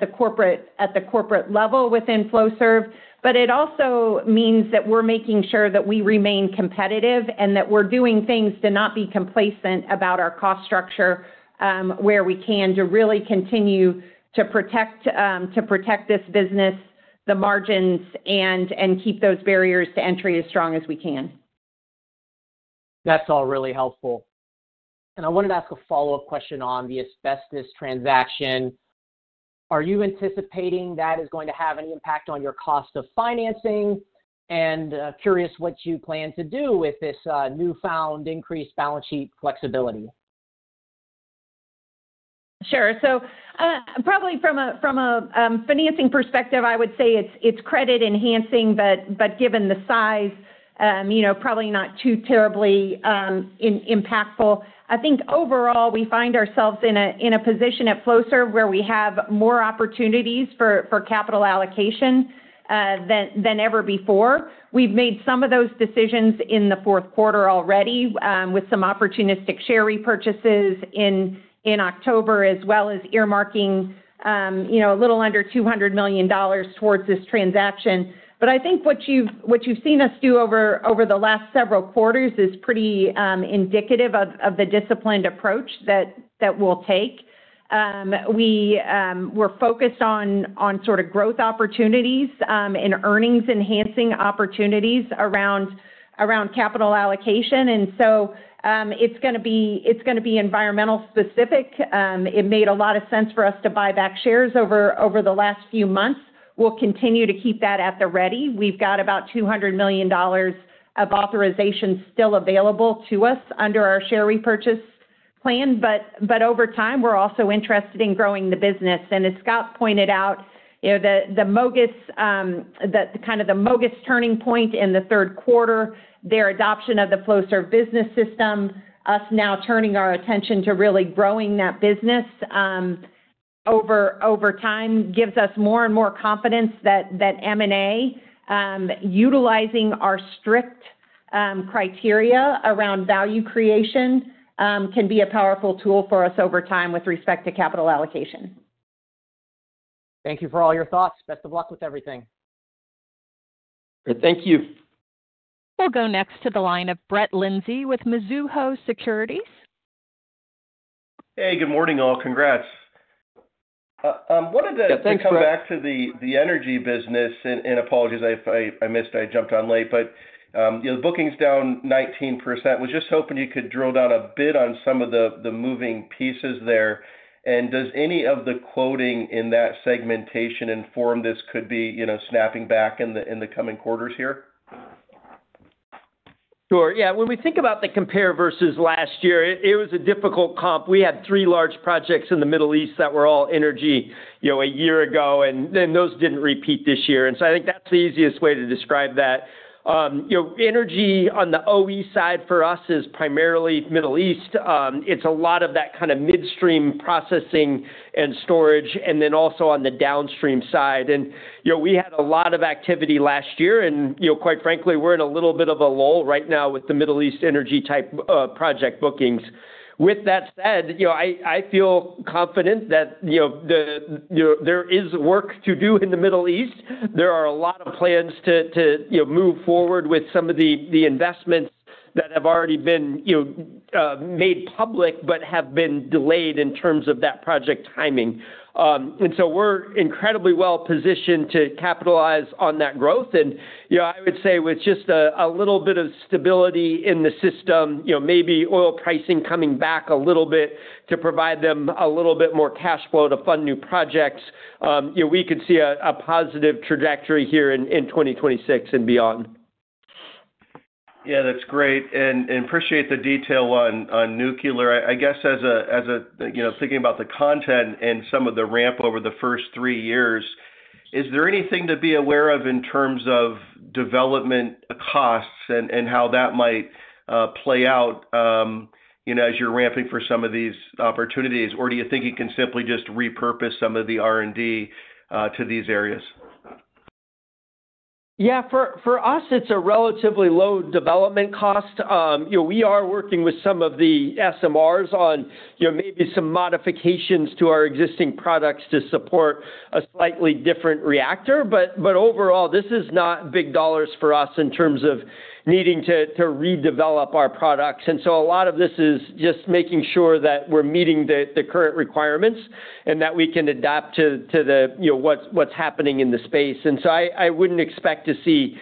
Speaker 3: the corporate level within Flowserve. It also means that we're making sure that we remain competitive and that we're doing things to not be complacent about our cost structure where we can to really continue to protect this business, the margins, and keep those barriers to entry as strong as we can.
Speaker 8: That's all really helpful. I wanted to ask a follow-up question on the asbestos transaction. Are you anticipating that is going to have any impact on your cost of financing? I'm curious what you plan to do with this newfound increased balance sheet flexibility.
Speaker 3: Sure. Probably from a financing perspective, I would say it's credit enhancing, but given the size, probably not too terribly impactful. I think overall we find ourselves in a position at Flowserve where we have more opportunities for capital allocation than ever before. We've made some of those decisions in the fourth quarter already with some opportunistic share repurchases in October, as well as earmarking a little under $200 million towards this transaction. I think what you've seen us do over the last several quarters is pretty indicative of the disciplined approach that we'll take. We're focused on sort of growth opportunities and earnings-enhancing opportunities around capital allocation. It's going to be environmental specific. It made a lot of sense for us to buy back shares over the last few months. We'll continue to keep that at the ready. We've got about $200 million of authorization still available to us under our share repurchase plan. Over time, we're also interested in growing the business. As Scott pointed out, the kind of the MOGAS turning point in the third quarter, their adoption of the Flowserve Business System, us now turning our attention to really growing that business over time gives us more and more confidence that M&A utilizing our strict criteria around value creation can be a powerful tool for us over time with respect to capital allocation.
Speaker 8: Thank you for all your thoughts. Best of luck with everything.
Speaker 2: Thank you.
Speaker 4: We'll go next to the line of Brett Lindsey with Mizuho Securities.
Speaker 9: Hey, good morning all. Congrats.
Speaker 2: Good afternoon.
Speaker 9: I wanted to come back to the energy business, and apologies I missed, I jumped on late, but the bookings down 19%. I was just hoping you could drill down a bit on some of the moving pieces there. Does any of the quoting in that segmentation inform this could be snapping back in the coming quarters here?
Speaker 2: Sure. Yeah. When we think about the compare versus last year, it was a difficult comp. We had three large projects in the Middle East that were all energy a year ago, and those didn't repeat this year. I think that's the easiest way to describe that. Energy on the OEM side for us is primarily Middle East. It's a lot of that kind of midstream processing and storage, and then also on the downstream side. We had a lot of activity last year, and quite frankly, we're in a little bit of a lull right now with the Middle East energy type project bookings. With that said, I feel confident that there is work to do in the Middle East. There are a lot of plans to move forward with some of the investments that have already been made public but have been delayed in terms of that project timing. We're incredibly well positioned to capitalize on that growth. I would say with just a little bit of stability in the system, maybe oil pricing coming back a little bit to provide them a little bit more cash flow to fund new projects, we could see a positive trajectory here in 2026 and beyond.
Speaker 9: Yeah, that's great. I appreciate the detail on nuclear. I guess as I'm thinking about the content and some of the ramp over the first three years, is there anything to be aware of in terms of development costs and how that might play out as you're ramping for some of these opportunities? Do you think you can simply just repurpose some of the R&D to these areas?
Speaker 2: Yeah, for us, it's a relatively low development cost. We are working with some of the SMRs on maybe some modifications to our existing products to support a slightly different reactor. Overall, this is not big dollars for us in terms of needing to redevelop our products. A lot of this is just making sure that we're meeting the current requirements and that we can adapt to what's happening in the space. I wouldn't expect to see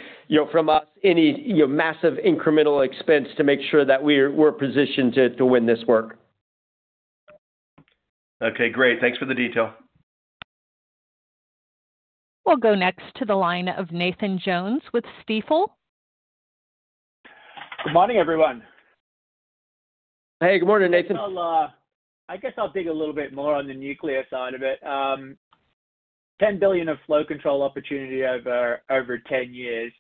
Speaker 2: from us any massive incremental expense to make sure that we're positioned to win this work.
Speaker 9: Okay, great. Thanks for the detail.
Speaker 4: We'll go next to the line of Nathan Jones with Stifel.
Speaker 10: Good morning, everyone.
Speaker 2: Hey, good morning, Nathan.
Speaker 10: I guess I'll dig a little bit more on the nuclear side of it. $10 billion of flow control opportunity over 10 years.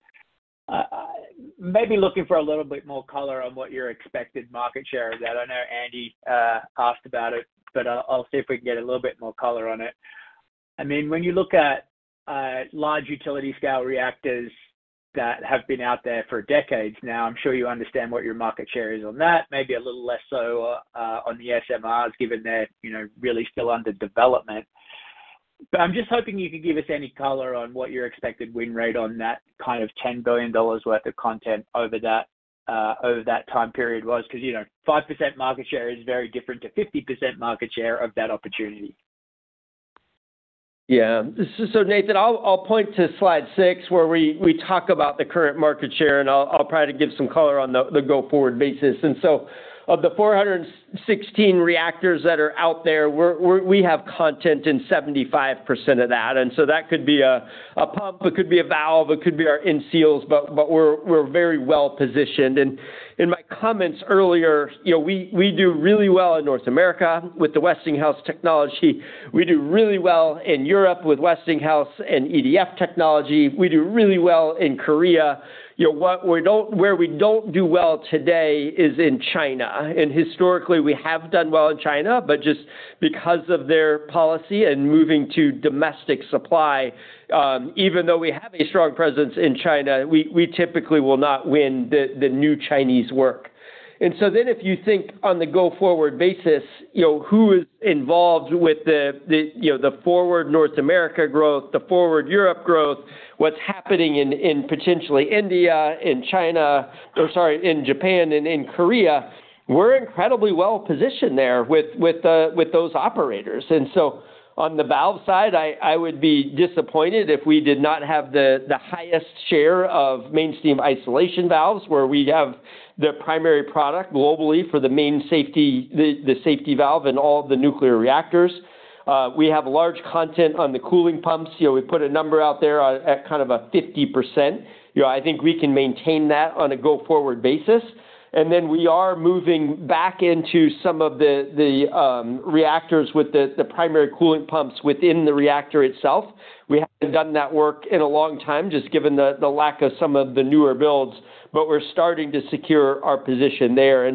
Speaker 10: Maybe looking for a little bit more color on what your expected market share is at. I know Andy asked about it, but I'll see if we can get a little bit more color on it. I mean, when you look at large utility scale reactors that have been out there for decades now, I'm sure you understand what your market share is on that, maybe a little less so on the SMRs given they're really still under development. I'm just hoping you could give us any color on what your expected win rate on that kind of $10 billion worth of content over that time period was, because 5% market share is very different to 50% market share of that opportunity.
Speaker 2: Yeah. Nathan, I'll point to slide six where we talk about the current market share, and I'll try to give some color on the go-forward basis. Of the 416 reactors that are out there, we have content in 75% of that. That could be a pump, it could be a valve, it could be our in-seals, but we're very well positioned. In my comments earlier, we do really well in North America with the Westinghouse technology. We do really well in Europe with Westinghouse and EDF technology. We do really well in Korea. Where we don't do well today is in China. Historically, we have done well in China, but just because of their policy and moving to domestic supply, even though we have a strong presence in China, we typically will not win the new Chinese work. If you think on the go-forward basis, who is involved with the forward North America growth, the forward Europe growth, what's happening in potentially India, in China, or sorry, in Japan and in Korea, we're incredibly well positioned there with those operators. On the valve side, I would be disappointed if we did not have the highest share of mainstream isolation valves where we have the primary product globally for the main safety valve in all of the nuclear reactors. We have a large content on the cooling pumps. We put a number out there at kind of a 50%. I think we can maintain that on a go-forward basis. We are moving back into some of the reactors with the primary cooling pumps within the reactor itself. We haven't done that work in a long time, just given the lack of some of the newer builds, but we're starting to secure our position there.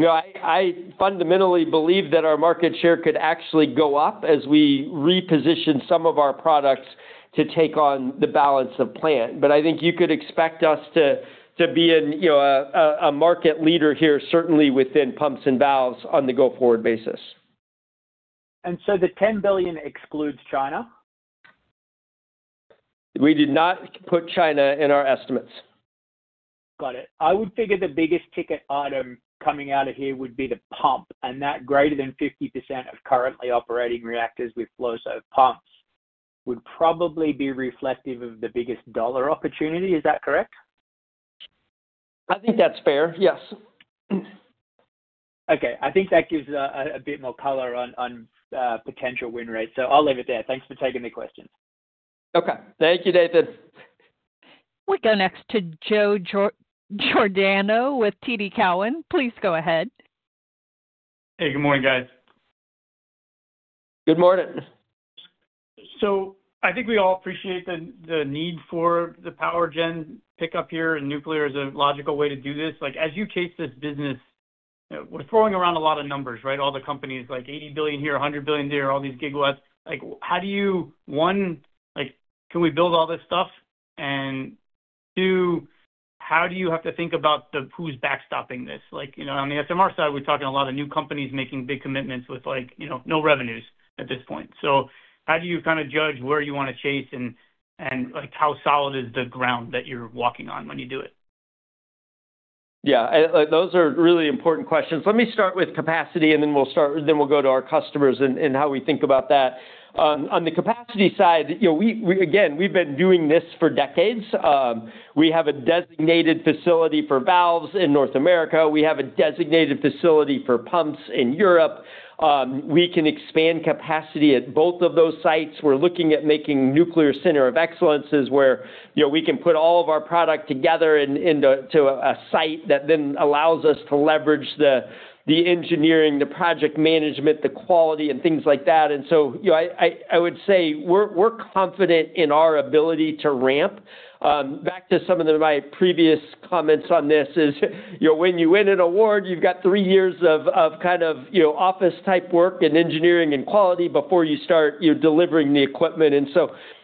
Speaker 2: I fundamentally believe that our market share could actually go up as we reposition some of our products to take on the balance of plant. I think you could expect us to be a market leader here, certainly within pumps and valves on the go-forward basis.
Speaker 10: The $10 billion excludes China?
Speaker 2: We did not put China in our estimates.
Speaker 10: Got it. I would figure the biggest ticket item coming out of here would be the pump, and that greater than 50% of currently operating reactors with Flowserve pumps would probably be reflective of the biggest dollar opportunity. Is that correct?
Speaker 2: I think that's fair, yes.
Speaker 10: Okay, I think that gives a bit more color on potential win rates. I'll leave it there. Thanks for taking the question.
Speaker 2: Okay. Thank you, Nathan.
Speaker 4: We go next to Joe Giordano with TD Cowen. Please go ahead.
Speaker 11: Hey, good morning, guys.
Speaker 2: Good morning.
Speaker 11: I think we all appreciate the need for the power gen pickup here, and nuclear is a logical way to do this. As you case this business, we're throwing around a lot of numbers, right? All the companies, like $80 billion here, $100 billion there, all these gigawatts. How do you, one, can we build all this stuff? Two, how do you have to think about who's backstopping this? You know on the SMR side, we're talking a lot of new companies making big commitments with no revenues at this point. How do you kind of judge where you want to chase and how solid is the ground that you're walking on when you do it?
Speaker 2: Yeah, those are really important questions. Let me start with capacity, and then we'll go to our customers and how we think about that. On the capacity side, you know, we've been doing this for decades. We have a designated facility for valves in North America. We have a designated facility for pumps in Europe. We can expand capacity at both of those sites. We're looking at making a nuclear center of excellence where we can put all of our product together into a site that then allows us to leverage the engineering, the project management, the quality, and things like that. I would say we're confident in our ability to ramp. Back to some of my previous comments on this, when you win an award, you've got three years of kind of office type work and engineering and quality before you start delivering the equipment.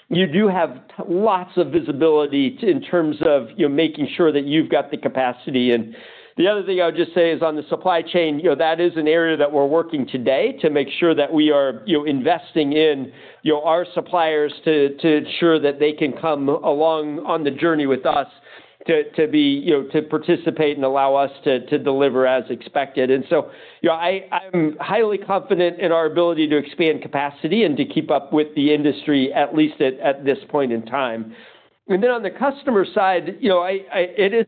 Speaker 2: You do have lots of visibility in terms of making sure that you've got the capacity. The other thing I would just say is on the supply chain, that is an area that we're working today to make sure that we are investing in our suppliers to ensure that they can come along on the journey with us to participate and allow us to deliver as expected. I'm highly confident in our ability to expand capacity and to keep up with the industry, at least at this point in time. On the customer side, you know this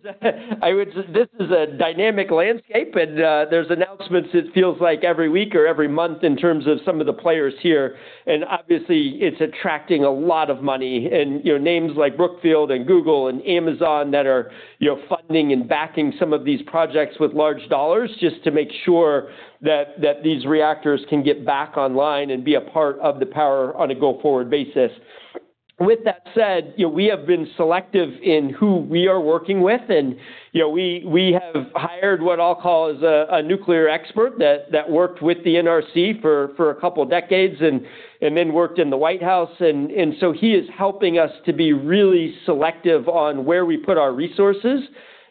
Speaker 2: is a dynamic landscape, and there's announcements it feels like every week or every month in terms of some of the players here. Obviously, it's attracting a lot of money. Names like Brookfield and Google and Amazon are funding and backing some of these projects with large dollars just to make sure that these reactors can get back online and be a part of the power on a go-forward basis. With that said, we have been selective in who we are working with. We have hired what I'll call a nuclear expert that worked with the NRC for a couple of decades and then worked in the White House. He is helping us to be really selective on where we put our resources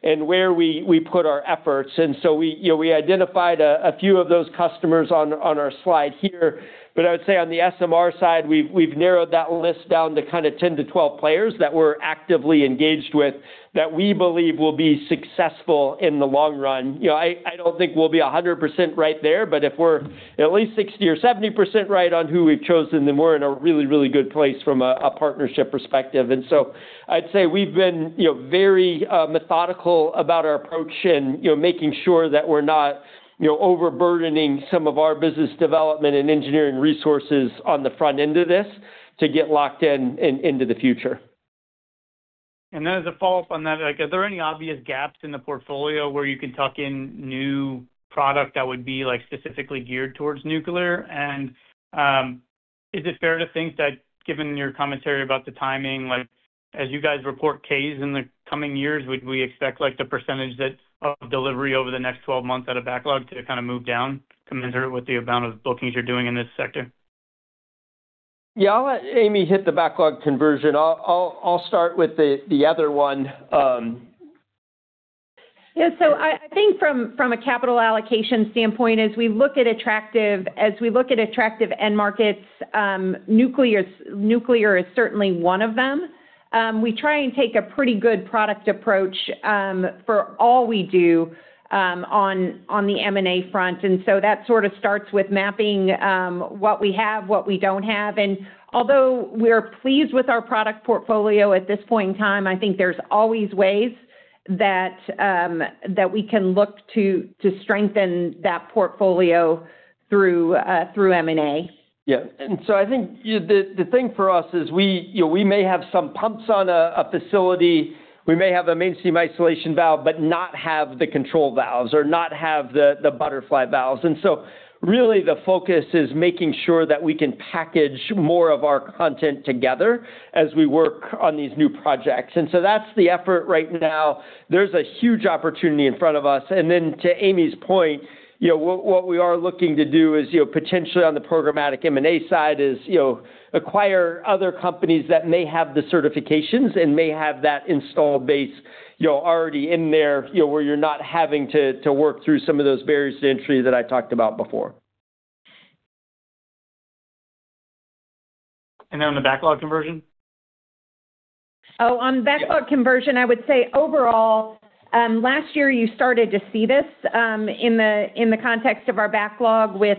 Speaker 2: and where we put our efforts. We identified a few of those customers on our slide here. I would say on the SMR side, we've narrowed that list down to kind of 10-12 players that we're actively engaged with that we believe will be successful in the long run. I don't think we'll be 100% right there, but if we're at least 60% or 70% right on who we've chosen, then we're in a really, really good place from a partnership perspective. I'd say we've been very methodical about our approach and making sure that we're not overburdening some of our business development and engineering resources on the front end of this to get locked in into the future.
Speaker 11: As a follow-up on that, are there any obvious gaps in the portfolio where you can tuck in new product that would be specifically geared towards nuclear? Is it fair to think that given your commentary about the timing, as you guys report Ks in the coming years, would we expect the percentage of delivery over the next 12 months at a backlog to kind of move down commensurate with the amount of bookings you're doing in this sector?
Speaker 2: Yeah, I'll let Amy Schwetz hit the backlog conversion. I'll start with the other one.
Speaker 3: I think from a capital allocation standpoint, as we look at attractive end markets, nuclear is certainly one of them. We try and take a pretty good product approach for all we do on the M&A front. That sort of starts with mapping what we have, what we don't have. Although we're pleased with our product portfolio at this point in time, I think there's always ways that we can look to strengthen that portfolio through M&A.
Speaker 2: I think the thing for us is we may have some pumps on a facility. We may have a mainstream isolation valve, but not have the control valves or not have the butterfly valves. The focus is making sure that we can package more of our content together as we work on these new projects. That's the effort right now. There's a huge opportunity in front of us. To Amy's point, what we are looking to do is potentially on the programmatic M&A side is acquire other companies that may have the certifications and may have that install base already in there where you're not having to work through some of those barriers to entry that I talked about before.
Speaker 11: On the backlog conversion?
Speaker 3: On the backlog conversion, I would say overall, last year you started to see this in the context of our backlog with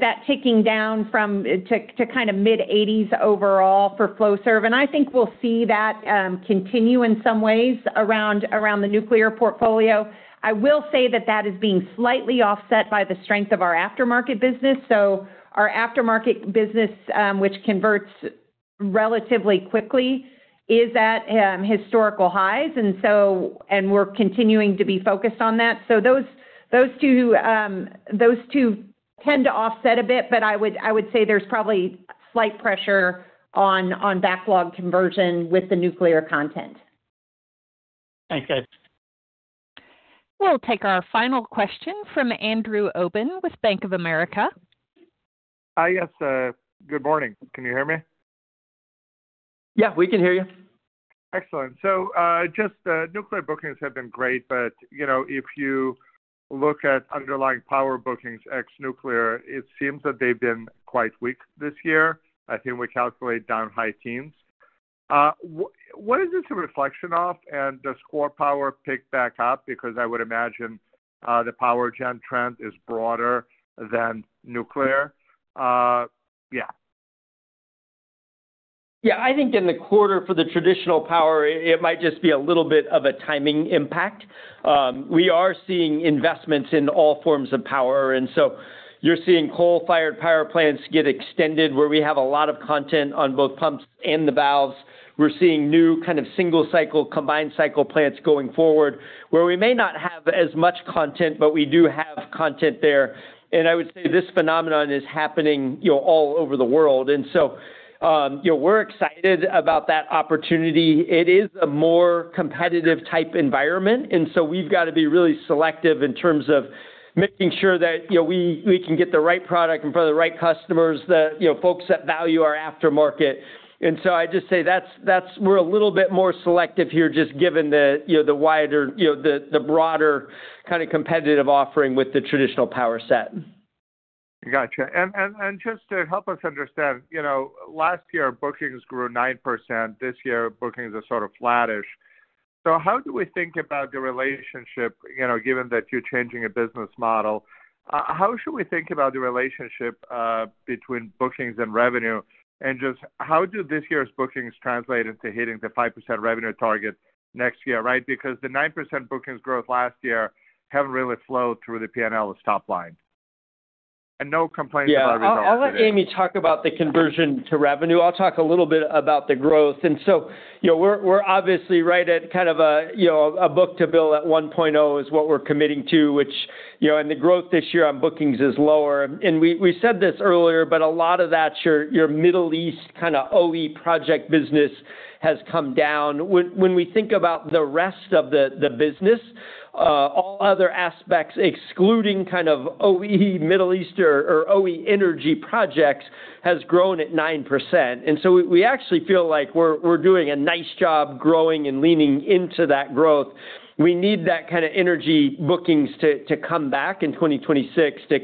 Speaker 3: that ticking down to kind of mid-80s overall for Flowserve. I think we'll see that continue in some ways around the nuclear portfolio. I will say that is being slightly offset by the strength of our aftermarket business. Our aftermarket business, which converts relatively quickly, is at historical highs, and we're continuing to be focused on that. Those two tend to offset a bit, but I would say there's probably slight pressure on backlog conversion with the nuclear content.
Speaker 11: Thanks, guys.
Speaker 4: We'll take our final question from Andrew Obin with Bank of America.
Speaker 12: Hi, yes. Good morning. Can you hear me?
Speaker 2: Yeah, we can hear you.
Speaker 12: Excellent. Nuclear bookings have been great, but if you look at underlying power bookings ex-nuclear, it seems that they've been quite weak this year. I think we calculate down high teens. What is this a reflection of? Does core power pick back up? I would imagine the power gen trend is broader than nuclear. Yeah.
Speaker 2: Yeah, I think in the quarter for the traditional power, it might just be a little bit of a timing impact. We are seeing investments in all forms of power. You're seeing coal-fired power plants get extended where we have a lot of content on both pumps and the valves. We're seeing new kind of single-cycle, combined cycle plants going forward where we may not have as much content, but we do have content there. I would say this phenomenon is happening all over the world. We're excited about that opportunity. It is a more competitive type environment. We've got to be really selective in terms of making sure that we can get the right product in front of the right customers, the folks that value our aftermarket. I just say we're a little bit more selective here just given the broader kind of competitive offering with the traditional power set.
Speaker 12: Gotcha. Just to help us understand, you know last year bookings grew 9%. This year, bookings are sort of flattish. How do we think about the relationship, you know given that you're changing a business model? How should we think about the relationship between bookings and revenue? Just how do this year's bookings translate into hitting the 5% revenue target next year, right? Because the 9% bookings growth last year hasn't really flowed through the P&L stop line. No complaints about results.
Speaker 2: Yeah, I'll let Amy talk about the conversion to revenue. I'll talk a little bit about the growth. We're obviously right at kind of a book to bill at 1.0, which is what we're committing to, and the growth this year on bookings is lower. We said this earlier, but a lot of that, you know. East kind of OEM project business has come down. When we think about the rest of the business, all other aspects excluding kind of OEM Middle Eastern or OEM energy projects have grown at 9%. We actually feel like we're doing a nice job growing and leaning into that growth. We need that kind of energy bookings to come back in 2026 to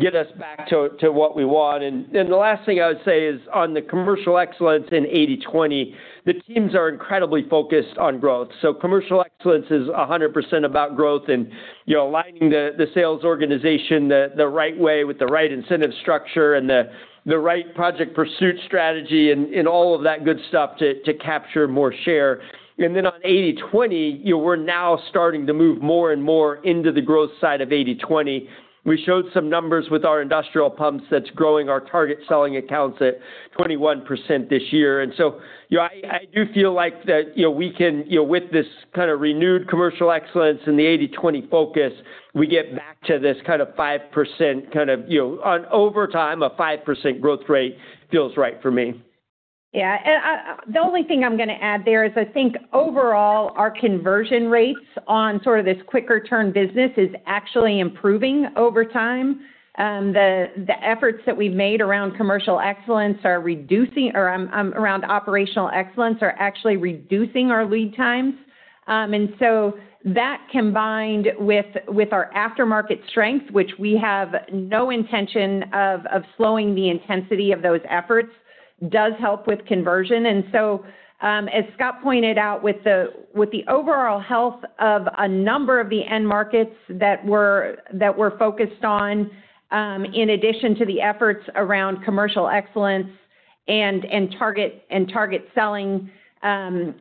Speaker 2: get us back to what we want. The last thing I would say is on the commercial excellence in 80/20, the teams are incredibly focused on growth. Commercial excellence is 100% about growth and aligning the sales organization the right way with the right incentive structure and the right project pursuit strategy and all of that good stuff to capture more share. On 80/20, we're now starting to move more and more into the growth side of 80/20. We showed some numbers with our industrial pumps that's growing our target selling accounts at 21% this year. I do feel like that we can, with this kind of renewed commercial excellence and the 80/20 focus, we get back to this kind of 5% kind of, you know, over time, a 5% growth rate feels right for me.
Speaker 3: Yeah. The only thing I'm going to add there is I think overall our conversion rates on sort of this quicker-turn business is actually improving over time. The efforts that we've made around commercial excellence are reducing, or around operational excellence, are actually reducing our lead times. That combined with our aftermarket strength, which we have no intention of slowing the intensity of those efforts, does help with conversion. As Scott pointed out, with the overall health of a number of the end markets that we're focused on, in addition to the efforts around commercial excellence and target selling,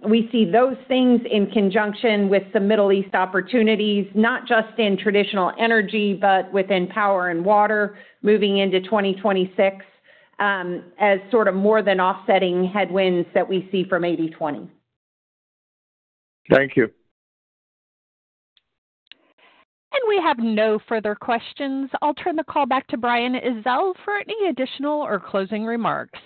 Speaker 3: we see those things in conjunction with some Middle East opportunities, not just in traditional energy, but within power and water moving into 2026, as sort of more than offsetting headwinds that we see from 80/20.
Speaker 12: Thank you.
Speaker 4: We have no further questions. I'll turn the call back to Brian Ezzell for any additional or closing remarks.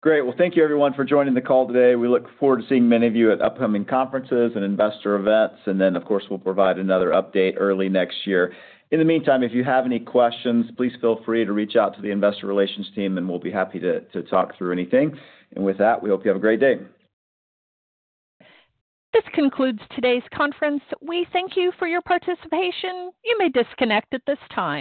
Speaker 1: Great. Thank you, everyone, for joining the call today. We look forward to seeing many of you at upcoming conferences and investor events. Of course, we'll provide another update early next year. In the meantime, if you have any questions, please feel free to reach out to the investor relations team, and we'll be happy to talk through anything. With that, we hope you have a great day.
Speaker 4: This concludes today's conference. We thank you for your participation. You may disconnect at this time.